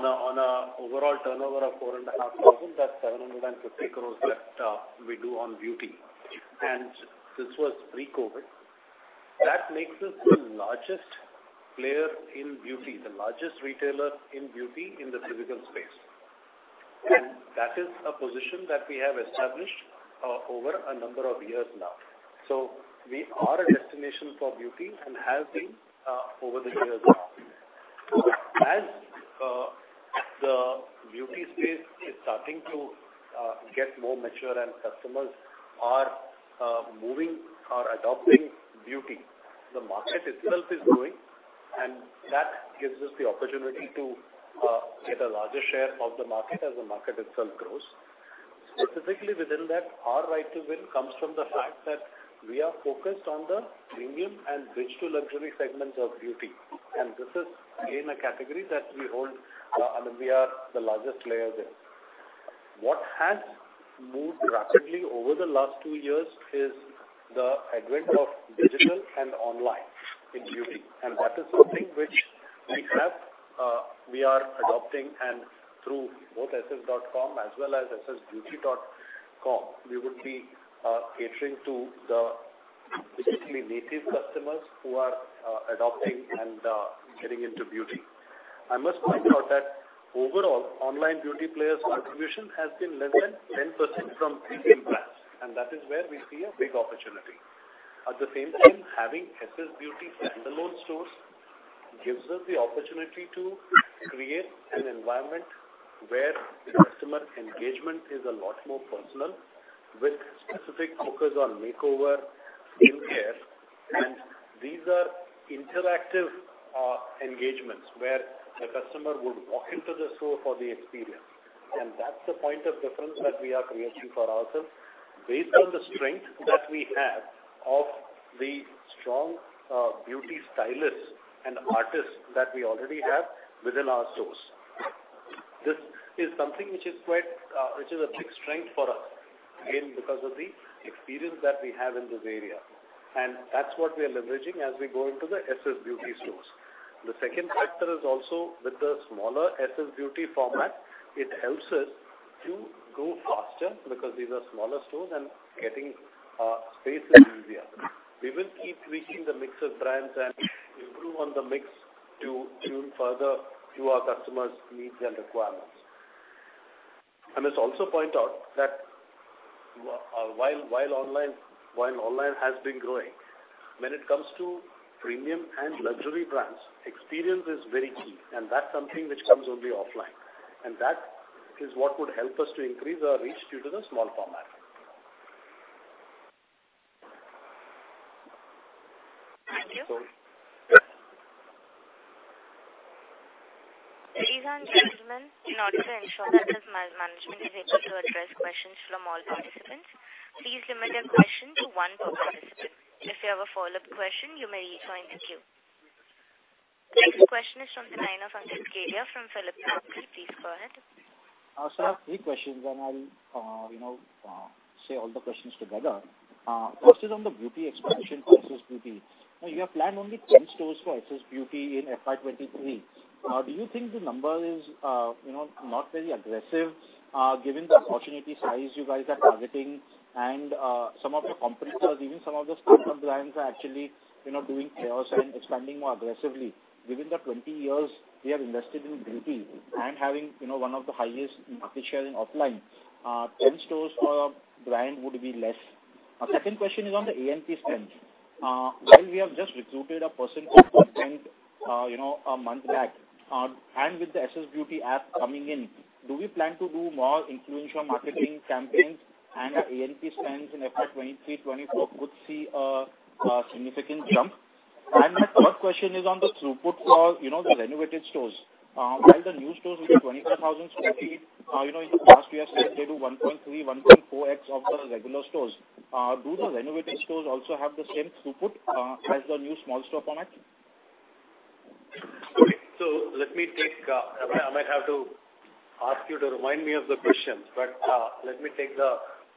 an overall turnover of 4,500 crore, that's 750 crore that we do on beauty, and this was pre-COVID. That makes us the largest player in beauty, the largest retailer in beauty in the physical space. That is a position that we have established over a number of years now. We are a destination for beauty and have been over the years now. As the beauty space is starting to get more mature and customers are moving or adopting beauty, the market itself is growing, and that gives us the opportunity to get a larger share of the market as the market itself grows. Specifically within that, our right to win comes from the fact that we are focused on the premium and digital luxury segments of beauty, and this is in a category that we hold, I mean, we are the largest player there. What has moved rapidly over the last two years is the advent of digital and online in beauty, and that is something which we have, we are adopting. Through both ssbeauty.in as well as ssbeauty.in, we would be, catering to the digitally native customers who are, adopting and, getting into beauty. I must point out that overall, online beauty players' contribution has been less than 10% from premium brands, and that is where we see a big opportunity. At the same time, having SSBeauty standalone stores gives us the opportunity to create an environment where the customer engagement is a lot more personal, with specific focus on makeover, skin care. These are interactive engagements where the customer would walk into the store for the experience. That's the point of difference that we are creating for ourselves based on the strength that we have of the strong beauty stylists and artists that we already have within our stores. This is something which is quite, which is a big strength for us, again, because of the experience that we have in this area, and that's what we are leveraging as we go into the SSBeauty stores. The second factor is also with the smaller SSBeauty format, it helps us to grow faster because these are smaller stores and getting space is easier. We will keep tweaking the mix of brands and improve on the mix to tune further to our customers' needs and requirements. I must also point out that while online has been growing, when it comes to premium and luxury brands, experience is very key, and that's something which comes only offline. That is what would help us to increase our reach due to the small format. Thank you. Sorry. Ladies and gentlemen, in order to ensure that the man-management is able to address questions from all participants, please limit your question to one per participant. If you have a follow-up question, you may rejoin the queue. The next question is from the line of Ankit Kedia from Phillip Capital. Please go ahead. Sir, I have three questions, and I'll, you know, say all the questions together. First is on the beauty expansion for SSBeauty. Now, you have planned only 10 stores for SSBeauty in FY 2023. Do you think the number is, you know, not very aggressive, given the opportunity size you guys are targeting and, some of your competitors, even some of the startup brands are actually, you know, doing kiosks and expanding more aggressively. Given the 20 years we have invested in beauty and having, you know, one of the highest market share in offline, 10 stores for a brand would be less. Second question is on the A&P spend. While we have just recruited a person for content, you know, a month back, and with the SSBeauty app coming in, do we plan to do more influencer marketing campaigns and our A&P spends in FY 2023-2024 could see a significant jump? My third question is on the throughput for, you know, the renovated stores. While the new stores will be 24,000 sq ft, you know, in the past we have seen they do 1.3x-1.4x of the regular stores. Do the renovated stores also have the same throughput, as the new small store format? Okay. Let me take. I might have to ask you to remind me of the questions, but let me take the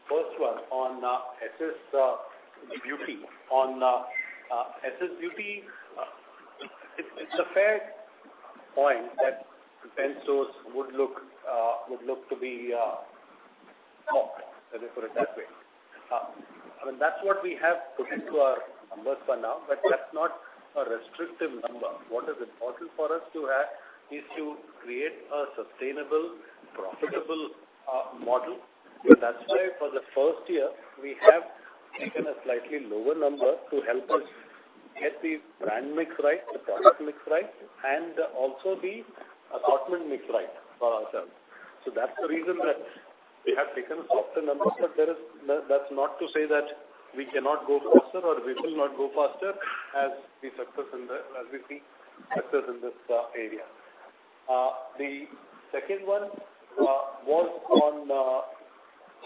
first one on SSBeauty. On SSBeauty, it's a fair point that 10 stores would look to be small, let me put it that way. I mean, that's what we have put into our numbers for now, but that's not a restrictive number. What is important for us to have is to create a sustainable, profitable model. That's why for the first year, we have taken a slightly lower number to help us get the brand mix right, the product mix right, and also the assortment mix right for ourselves. That's the reason that we have taken a softer number. That's not to say that we cannot go faster or we will not go faster as we see success in this area. The second one was on,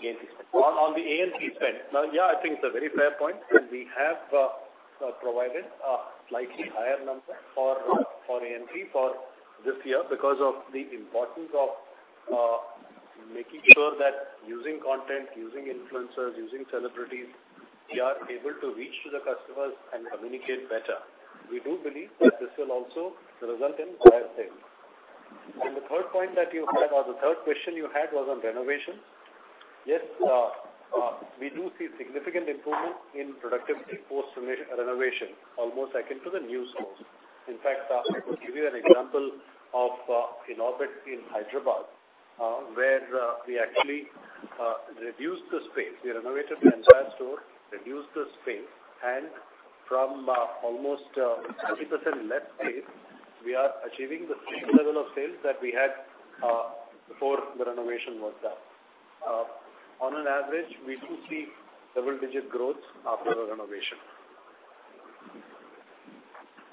A&P spend. On the A&P spend. Now, yeah, I think it's a very fair point, and we have provided a slightly higher number for A&P for this year because of the importance of making sure that using content, using influencers, using celebrities, we are able to reach to the customers and communicate better. We do believe that this will also result in higher sales. The third point that you had or the third question you had was on renovations. Yes, we do see significant improvement in productivity post renovation, almost akin to the new stores. In fact, I will give you an example of Inorbit in Hyderabad, where we actually reduced the space. We renovated the entire store, reduced the space, and from almost 30% less space, we are achieving the same level of sales that we had before the renovation was done. On an average, we do see double-digit growth after the renovation.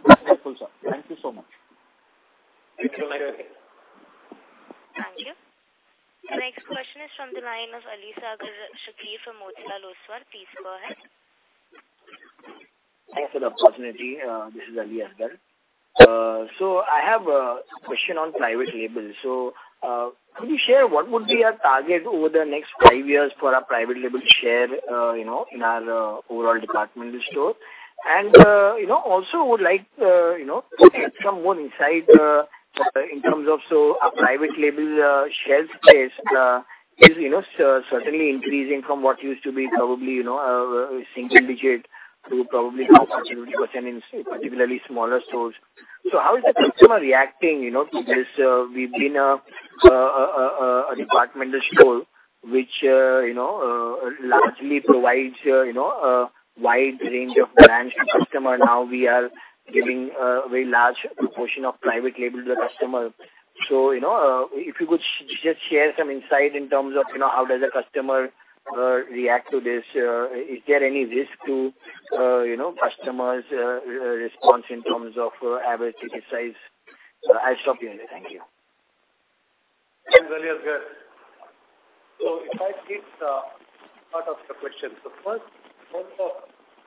Very helpful, sir. Thank you so much. Thank you. Thank you. The next question is from the line of Aliasgar Shakir from Motilal Oswal. Please go ahead. Thanks for the opportunity. This is Aliasgar Shakir. I have a question on private label. Can you share what would be our target over the next five years for our private label share, you know, in our overall department store? You know, also would like to get some more insight in terms of, so our private label shelf space is, you know, certainly increasing from what used to be probably, you know, single digit to probably now 50% in particularly smaller stores. How is the customer reacting, you know, to this? We've been a department store which largely provides a wide range of brands to customer. Now we are giving a very large proportion of private label to the customer. You know, if you could just share some insight in terms of, you know, how does a customer react to this? Is there any risk to, you know, customers' response in terms of average ticket size? I'll stop here. Thank you. Thanks, Aliasgar. If I take the part of the question. The first part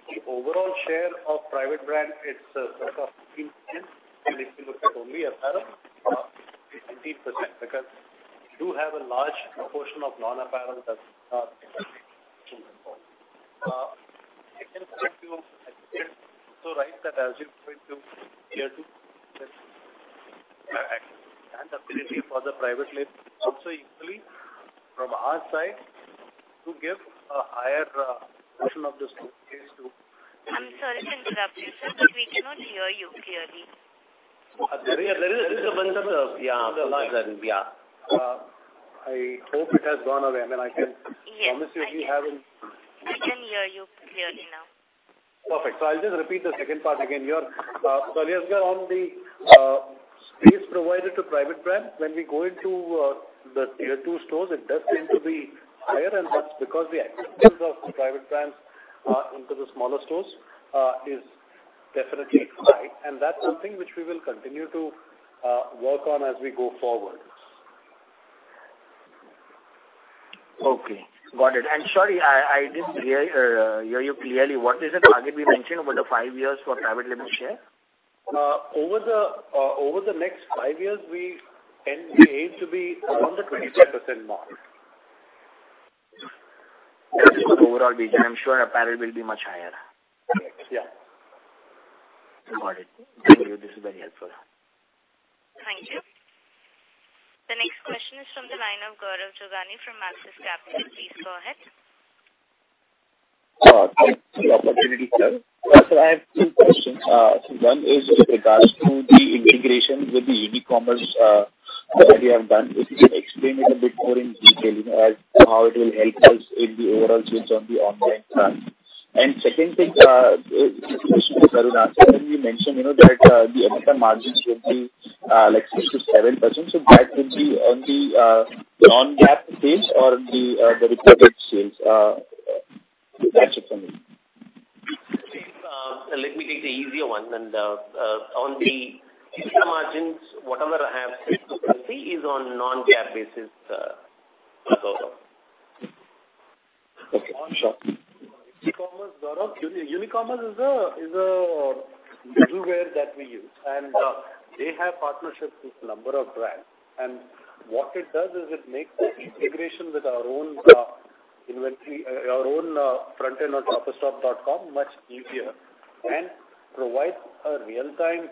of the overall share of private brand, it's sort of 18%, and if you look at only apparel, it's 18% because you have a large proportion of non-apparel that's important. I can correct you. It's so right that as you point to tier two and affinity for the private label also equally from our side to give a higher portion of the space to- I'm sorry to interrupt you, sir, but we cannot hear you clearly. There is a bunch of, yeah. I hope it has gone away. I mean, I can- Yes. Promise you we haven't. I can hear you clearly now. Perfect. I'll just repeat the second part again. Yes, on the space provided to private brand, when we go into the tier two stores, it does seem to be higher and much because the acceptance of the private brands into the smaller stores is definitely high. That's something which we will continue to work on as we go forward. Okay, got it. Sorry, I didn't hear you clearly. What is the target we mentioned over the five years for private label share? Over the next five years, we aim to be around the 25% mark. This is the overall detail. I'm sure apparel will be much higher. Correct. Yeah. Got it. Thank you. This is very helpful. Thank you. The next question is from the line of Gaurav Jogani from Axis Capital. Please go ahead. Thanks for the opportunity, sir. So I have two questions. One is with regards to the integration with the Unicommerce that you have done. If you can explain it a bit more in detail, you know, as to how it will help us in the overall sales on the online front. Second thing, a question to Karuna, sir. When you mentioned, you know, that the EBITDA margins would be like 6%-7%, so that would be on the non-GAAP basis or the reported sales? That's it from me. Please, let me take the easier one. On the EBITDA margins, whatever I have said, you will see is on non-GAAP basis, Gaurav. Okay. Sure. Unicommerce, Gaurav. Unicommerce is a middleware that we use, and they have partnerships with number of brands. What it does is it makes the integration with our own inventory, our own front end on shoppersstop.com much easier and provides a real-time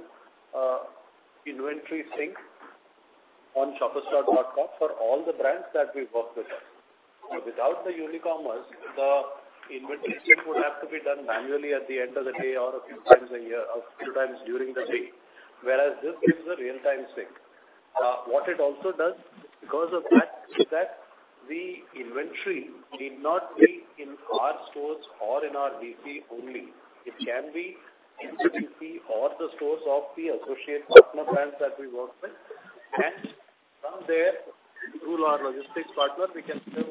inventory sync on shoppersstop.com for all the brands that we work with. Without the Unicommerce, the inventory sync would have to be done manually at the end of the day or a few times a year or few times during the day, whereas this gives a real time sync. What it also does because of that is that the inventory need not be in our stores or in our DC only. It can be in the DC or the stores of the associate partner brands that we work with. From there, through our logistics partner, we can still,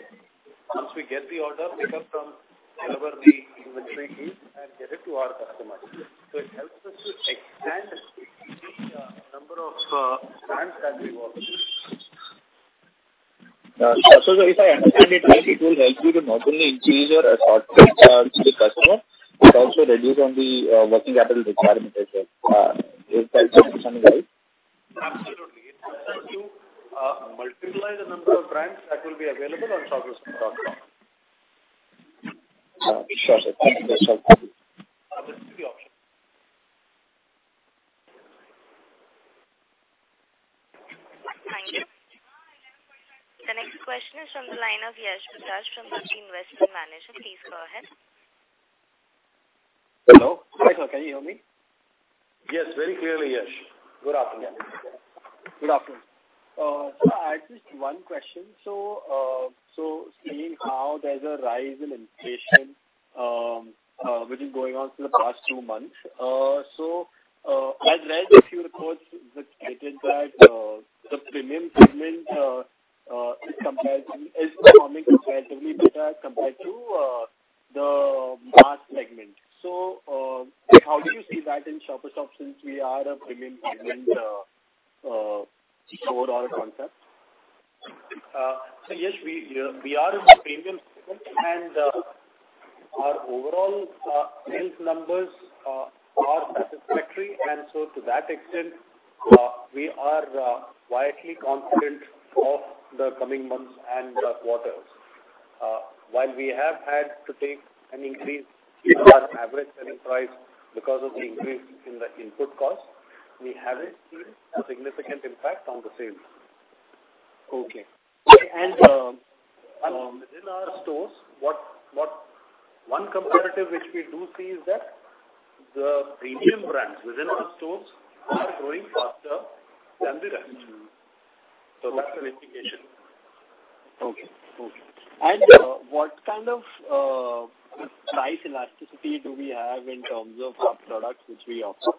once we get the order, pick up from wherever the inventory is and get it to our customer. It helps us to expand the number of brands that we work with. If I understand it right, it will help you to not only increase your assortment to the customer, it also reduce on the working capital requirement as well. If I understand it right. number of brands that will be available on shoppersstop.com. Sure, sir. Thank you so much. That's the option. Thank you. The next question is from the line of Yash Bajaj from Lucky Investment Managers. Please go ahead. Hello. Hi, sir. Can you hear me? Yes, very clearly, Yash. Good afternoon. Good afternoon. I had just one question. Seeing how there's a rise in inflation, which is going on for the past two months. I've read a few reports which stated that the premium segment is performing comparatively better compared to the mass segment. How do you see that in Shoppers Stop since we are a premium segment store or a concept? Yash, we are in the premium segment, and our overall sales numbers are satisfactory. To that extent, we are quietly confident of the coming months and quarters. While we have had to take an increase in our average selling price because of the increase in the input cost, we haven't seen a significant impact on the sales. Okay. Within our stores, one comparative which we do see is that the premium brands within our stores are growing faster than the rest. That's an indication. What kind of price elasticity do we have in terms of our products which we offer?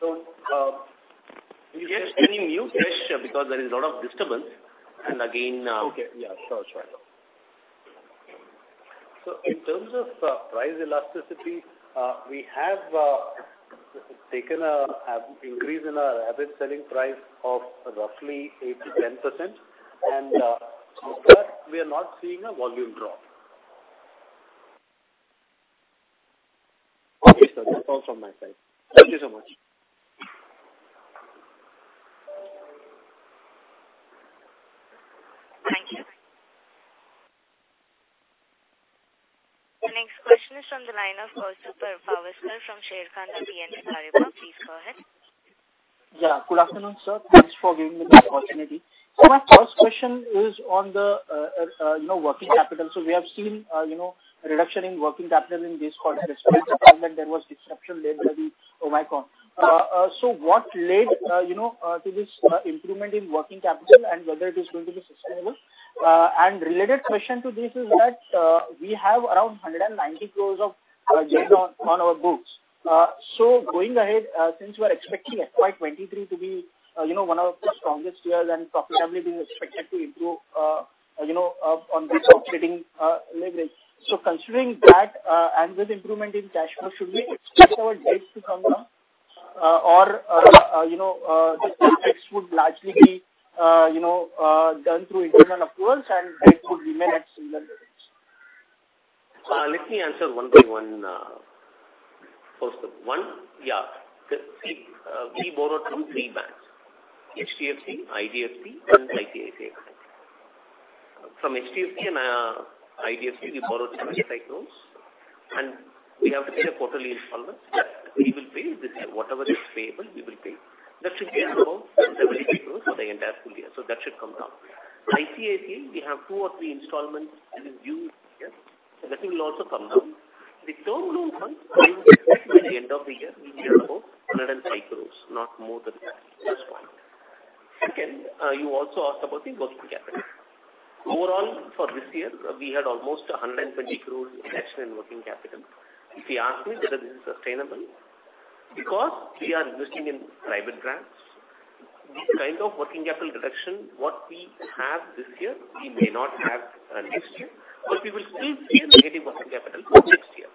Can you hear me, Yash? Because there is a lot of disturbance. Okay. Yeah, sure. In terms of price elasticity, we have taken an increase in our average selling price of roughly 8%-10%, and so far we are not seeing a volume drop. Okay, sir. That's all from my side. Thank you so much. Thank you. The next question is on the line of Kaustubh Pawaskar from Mirae Asset Sharekhan. Please go ahead. Good afternoon, sir. Thanks for giving me this opportunity. My first question is on the, you know, working capital. We have seen, you know, reduction in working capital in this quarter despite the fact that there was disruption led by the Omicron. What led, you know, to this improvement in working capital and whether it is going to be sustainable? And related question to this is that, we have around 190 crore of debt on our books. Going ahead, since we're expecting FY 2023 to be, you know, one of the strongest years and profitability is expected to improve, you know, on this offsetting leverage. Considering that, and with improvement in cash flow, should we expect our debts to come down? You know, the debt would largely be done through internal approvals and debt would remain at similar levels. Let me answer one by one, Kaustubh. One, yeah. See, we borrowed from three banks, HDFC, IDFC, and ICICI. From HDFC and IDFC, we borrowed 25 crores, and we have to pay a quarterly installment. We will pay this. Whatever is payable, we will pay. That should be around INR 70 crores for the entire full year, so that should come down. ICICI, we have two or three installments that is due this year, so that will also come down. The term loan one, by the end of the year, we'll be at about 105 crores, not more than that. That's one. Second, you also asked about the working capital. Overall, for this year, we had almost 120 crores invested in working capital. If you ask me whether this is sustainable, because we are investing in private brands, this kind of working capital reduction, what we have this year, we may not have next year, but we will still stay negative working capital for next year.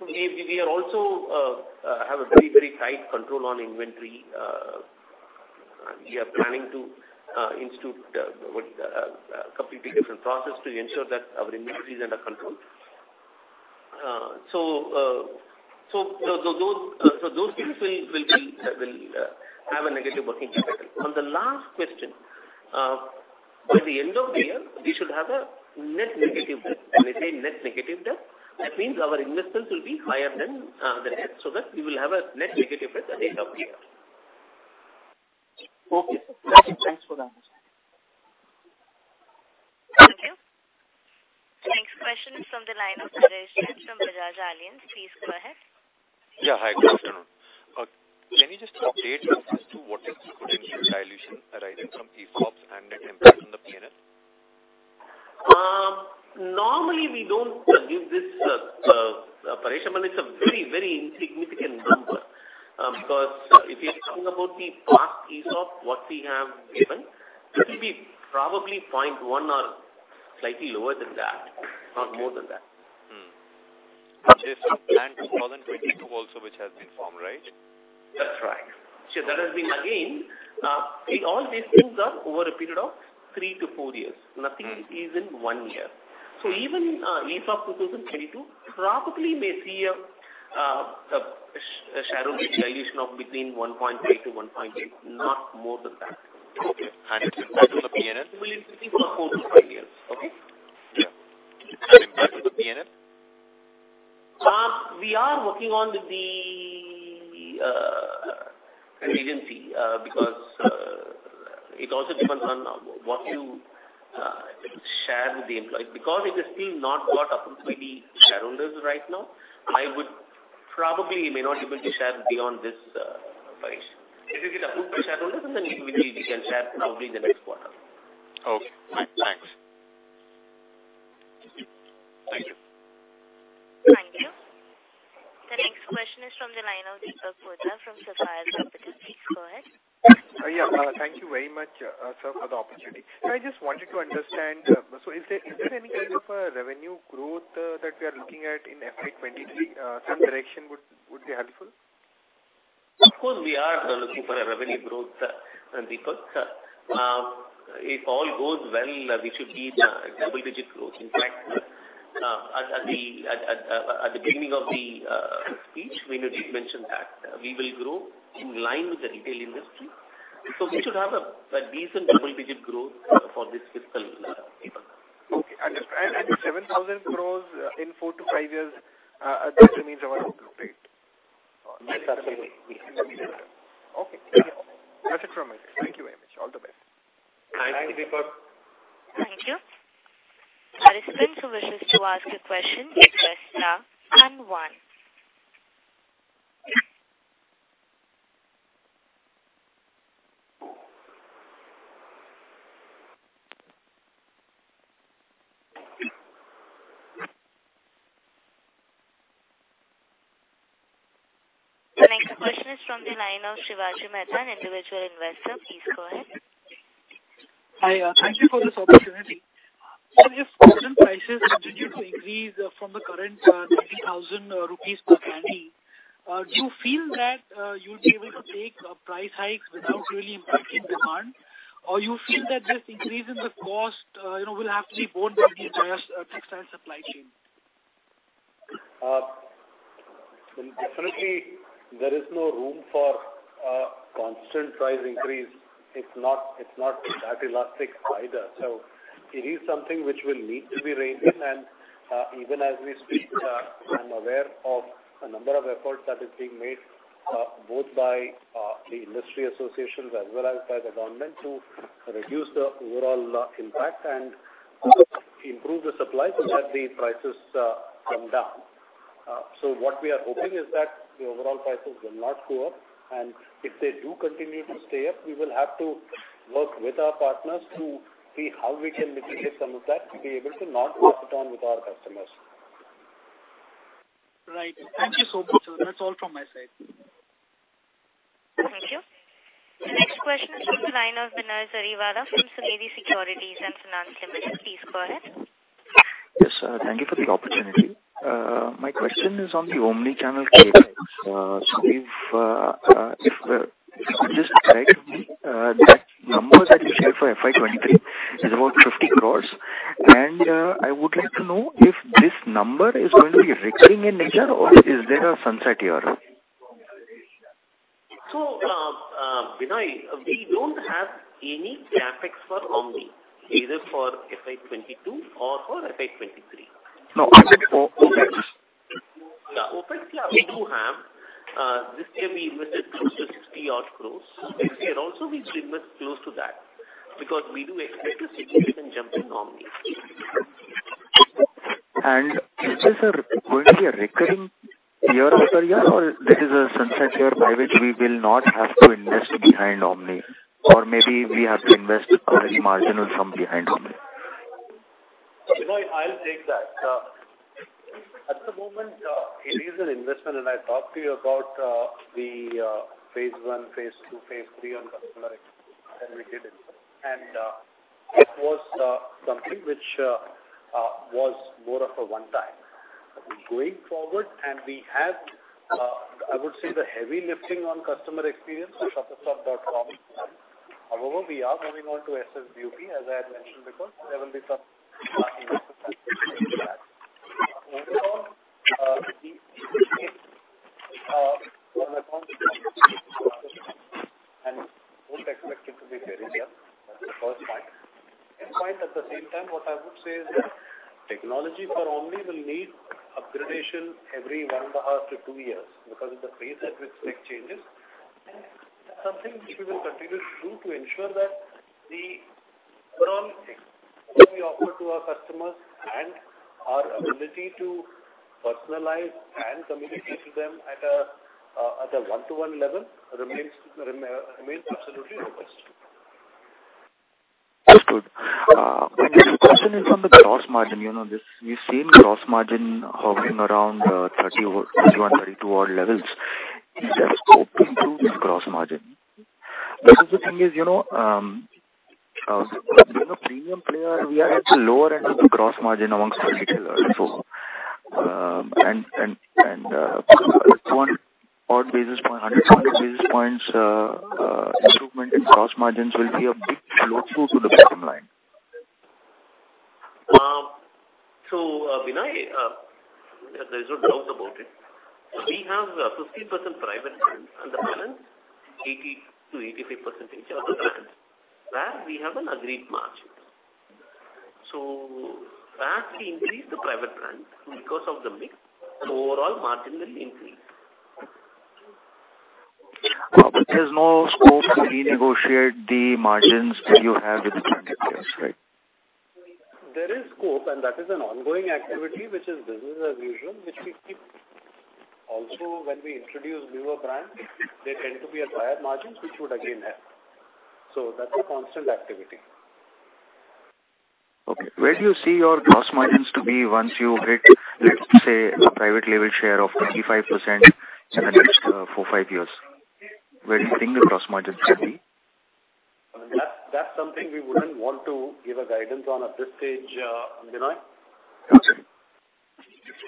We also have a very tight control on inventory. We are planning to institute completely different process to ensure that our inventory is under control. Those things will have a negative working capital. On the last question, by the end of the year, we should have a net negative debt. When I say net negative debt, that means our investments will be higher than the debt, so that we will have a net negative debt at the end of the year. Okay. Thank you. Thanks for the answer. Thank you. Next question is from the line of Paresh Jain from Bajaj Allianz. Please go ahead. Yeah. Hi, good afternoon. Can you just update us as to what is the potential dilution arising from ESOPs and an impact on the P&L? Normally we don't give this, Paresh, but it's a very, very insignificant number, because if you're talking about the past ESOP, what we have given, it will be probably 0.1 or slightly lower than that, not more than that. Which is in 2022 also which has been formed, right? That's right. That has been again, all these things are over a period of three-four years. Nothing is in one year. Even ESOP 2022 probably may see a shareholder dilution of between 1.3%-1.8%, not more than that. Okay. Impact on the P&L? Will be four-five years. Okay? Yeah. Impact to the P&L? We are working on the contingency because it also depends on what you share with the employees. Because it is still not got approved by the shareholders right now, I would probably may not be able to share beyond this, Paresh. If it get approved by shareholders, then we can share probably in the next quarter. Okay. Thanks. Thank you. Thank you. The next question is from the line of Deepak Poddar from Sapphire Capital. Please go ahead. Yeah. Thank you very much, sir, for the opportunity. I just wanted to understand, so is there any kind of a revenue growth that we are looking at in FY 2023? Some direction would be helpful. Of course, we are looking for a revenue growth, Deepak. If all goes well, we should see a double-digit growth. In fact, at the beginning of the speech, Venu did mention that we will grow in line with the retail industry. We should have a decent double-digit growth for this fiscal, Deepak. Okay. 7,000 crore in four-five years, that remains our growth rate? That's our aim. We have to deliver. Okay. That's it from my side. Thank you very much. All the best. Thank you, Deepak. Thank you. Our next person who wishes to ask a question press star and one. The next question is from the line of Shivaji Mehta, an individual investor. Please go ahead. Hi. Thank you for this opportunity. Sir, if cotton prices continue to increase from the current 90,000 rupees per candy, do you feel that you'll be able to take a price hike without really impacting demand? Or you feel that this increase in the cost, you know, will have to be borne by the entire textile supply chain? Well, definitely there is no room for a constant price increase. It's not that elastic either. It is something which will need to be reined in. Even as we speak, I'm aware of a number of efforts that is being made, both by the industry associations as well as by the government to reduce the overall impact and improve the supply to have the prices come down. What we are hoping is that the overall prices will not go up, and if they do continue to stay up, we will have to work with our partners to see how we can mitigate some of that to be able to not pass it on with our customers. Right. Thank you so much, sir. That's all from my side. Thank you. The next question is from the line of Vinay Srivastava from Sunidhi Securities & Finance Limited. Please go ahead. Yes, sir. Thank you for the opportunity. My question is on the omnichannel CapEx. for FY 2023 is about 50 crore. I would like to know if this number is going to be recurring in nature or is there a sunset year? Vinay, we don't have any CapEx for omni either for FY 2022 or for FY 2023. No, I said OpEx. Yeah, OpEx we have to have. This year we invested close to 60-odd crores. Next year also we'll invest close to that because we do expect a significant jump in omni. Is this going to be a recurring year after year or there is a sunset year by which we will not have to invest behind omni or maybe we have to invest only marginal sum behind omni? Vinay, I'll take that. At the moment, it is an investment, and I talked to you about the phase I, phase II, phase III on customer experience, and we did invest. It was something which was more of a one time. Going forward, we have, I would say the heavy lifting on customer experience at shoppersstop.com. However, we are moving on to SSBeauty, as I had mentioned before. we won't expect it to be very big. That's the first point. Second point, at the same time, what I would say is that technology for omni will need upgradation every one and a half to two years because of the pace at which tech changes. That's something which we will continue to do to ensure that the overall experience that we offer to our customers and our ability to personalize and communicate to them at a one-to-one level remains absolutely robust. That's good. My next question is on the gross margin. We've seen gross margin hovering around 30 or 31, 32-odd levels. Is there scope to improve this gross margin? Because the thing is, premium player, we are at the lower end of the gross margin amongst the retailers. One or 100 basis points improvement in gross margins will be a big flow through to the bottom line. Vinay, there's no doubt about it. We have 50% private brands and the balance 80%-85% is other brands where we have an agreed margin. As we increase the private brand because of the mix, the overall margin will increase. There's no scope to renegotiate the margins that you have with the brand owners, right? There is scope, and that is an ongoing activity, which is business as usual, which we keep. Also, when we introduce newer brands, they tend to be at higher margins, which would again help. That's a constant activity. Okay. Where do you see your gross margins to be once you hit, let's say, a private label share of 35% in the next four-five years? Where do you think the gross margins should be? That's something we wouldn't want to give a guidance on at this stage, Vinay.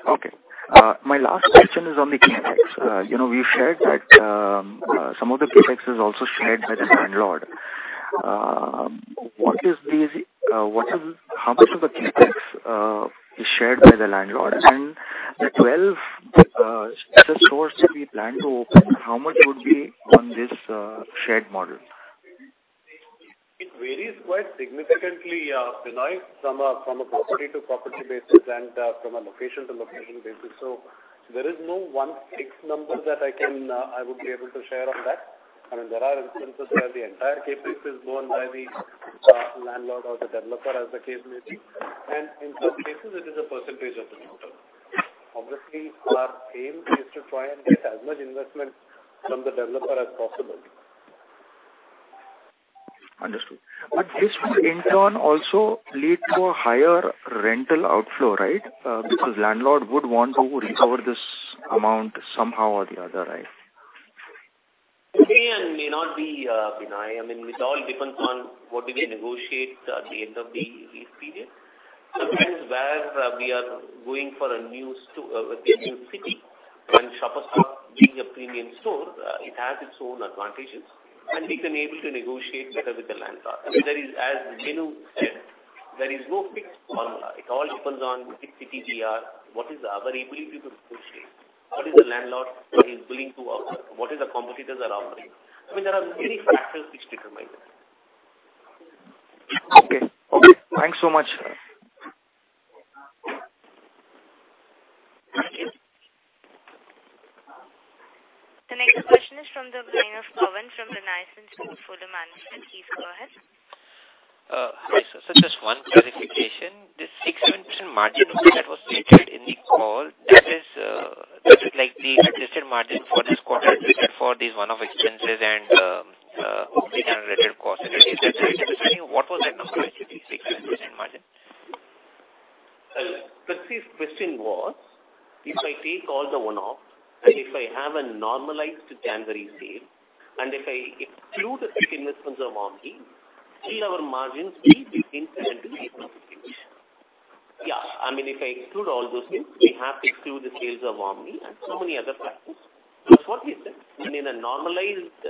Okay. My last question is on the CapEx. You know, we've shared that some of the CapEx is also shared by the landlord. How much of the CapEx is shared by the landlord? The 12 sister stores that we plan to open, how much would be on this shared model? It varies quite significantly, Vinay, from a property to property basis and from a location to location basis. There is no one fixed number that I would be able to share on that. I mean, there are instances where the entire CapEx is borne by the landlord or the developer, as the case may be, and in some cases it is a percentage of the total. Obviously, our aim is to try and get as much investment from the developer as possible. Understood. This will in turn also lead to a higher rental outflow, right? Because landlord would want to recover this amount somehow or the other, right? May and may not be, Vinay. I mean, it all depends on what did they negotiate at the end of the lease period. Sometimes where we are going for a new city and Shoppers Stop being a premium store, it has its own advantages and we've been able to negotiate better with the landlord. I mean, there is, as Venu said, there is no fixed formula. It all depends on which city we are, what is our ability to negotiate, what is the landlord, what he's willing to offer, what is the competitors are offering. I mean, there are many factors which determine that. Okay. Thanks so much. Thank you. The next question is from the line of Pawan Parakh from Renaissance Investment Managers. Please go ahead. Hi, sir. Just one clarification. This 6% margin that was stated in the call, that is, that is like the adjusted margin for this quarter adjusted for these one-off expenses and, one-time related costs and everything. I'm just wondering what was that number actually, 6% margin? Well, Percy's question was, if I take all the one-offs and if I have a normalized January sale, and if I exclude the fixed investments of Omni, still our margins will be incrementally 8%. Yeah, I mean, if I exclude all those things, we have to exclude the sales of Omni and so many other factors. That's what he said. I mean, in a normalized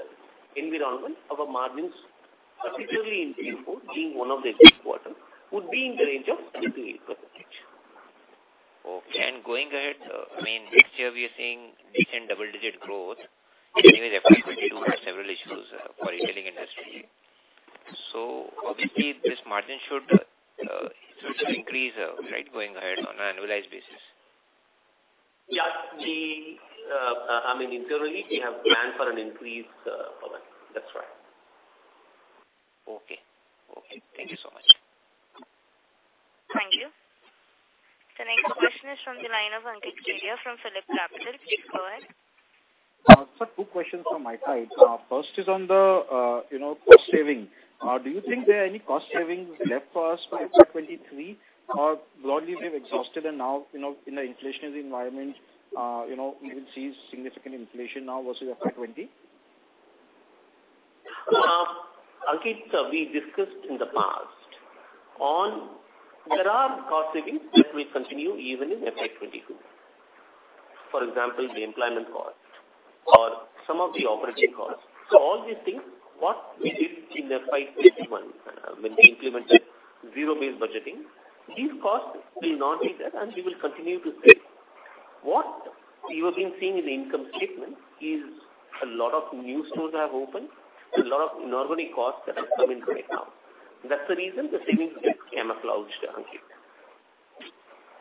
environment, our margins, particularly in Q4 being one of the peak quarter, would be in the range of 8%-8%. Okay. Going ahead, I mean, next year we are seeing decent double-digit growth. Anyway, FY 2022 had several issues for retailing industry. Obviously this margin should increase, right, going ahead on an annualized basis. Yeah. I mean, internally we have planned for an increase, Pawan. That's right. Okay. Thank you so much. Thank you. The next question is from the line of Ankit Kedia from Phillip Capital. Please go ahead. Sir, two questions from my side. First is on the, you know, cost saving. Do you think there are any cost savings left for us for FY 2023 or broadly we have exhausted and now, you know, in the inflationary environment, you know, we will see significant inflation now versus FY 2020? Ankit, we discussed in the past that there are cost savings that will continue even in FY 2022. For example, the employment cost or some of the operating costs. All these things, what we did in FY 2021, when we implemented zero-based budgeting, these costs will not be there and we will continue to save. What you have been seeing in the income statement is a lot of new stores have opened, a lot of normal costs that have come into it now. That's the reason the savings bit came as low, Ankit.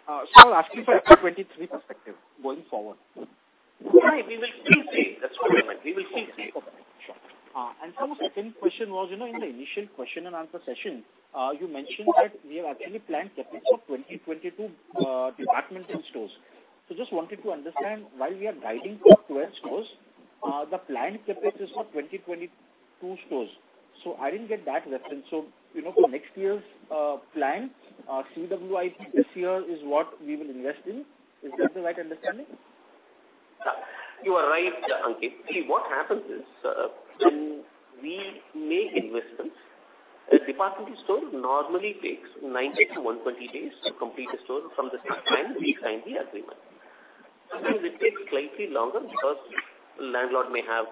Sir, I'm asking for FY 2023 perspective going forward. Right. We will still save. That's what I meant. We will still save. Okay. Sure. Sir, my second question was, you know, in the initial question and answer session, you mentioned that we have actually planned CapEx for 2022 departmental stores. Just wanted to understand why we are guiding for 12 stores. The planned CapEx is for 2022 stores. I didn't get that reference. You know, for next year's plan, CWIP this year is what we will invest in. Is that the right understanding? You are right, Ankit. See, what happens is, when we make investments, a department store normally takes 90-120 days to complete a store from the time we sign the agreement. Sometimes it takes slightly longer because landlord may have,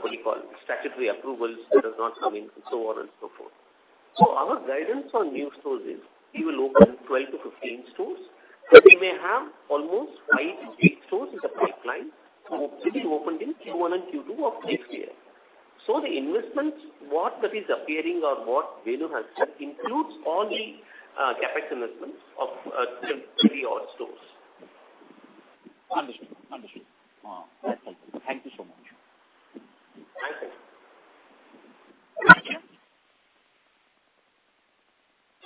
what do you call it, statutory approvals that has not come in and so on and so forth. Our guidance on new stores is we will open 12-15 stores, but we may have almost five-eight stores in the pipeline to hopefully be opened in Q1 and Q2 of next year. The investments, what that is appearing or what Venu has said includes all the CapEx investments of 20-odd stores. Understood. That's helpful. Thank you so much. Thank you. Thank you.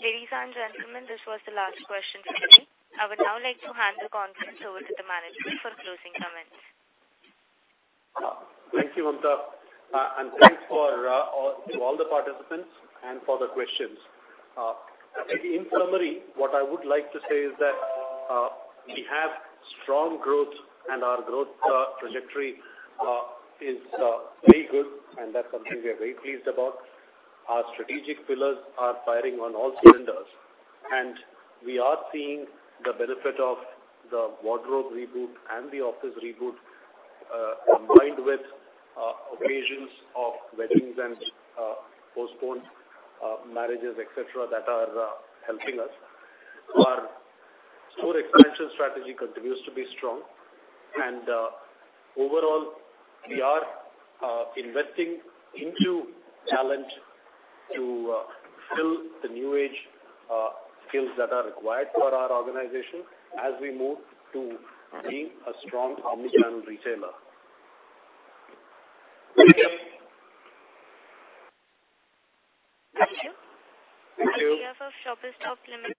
Ladies and gentlemen, this was the last question for today. I would now like to hand the conference over to the management for closing comments. Thank you, Mamta. And thanks to all the participants and for the questions. In summary, what I would like to say is that we have strong growth and our growth trajectory is very good, and that's something we are very pleased about. Our strategic pillars are firing on all cylinders, and we are seeing the benefit of the wardrobe reboot and the office reboot, combined with occasions of weddings and postponed marriages, et cetera, that are helping us. Our store expansion strategy continues to be strong and overall we are investing into talent to fill the new age skills that are required for our organization as we move to being a strong omnichannel retailer. Thank you. On behalf of Shoppers Stop Limited.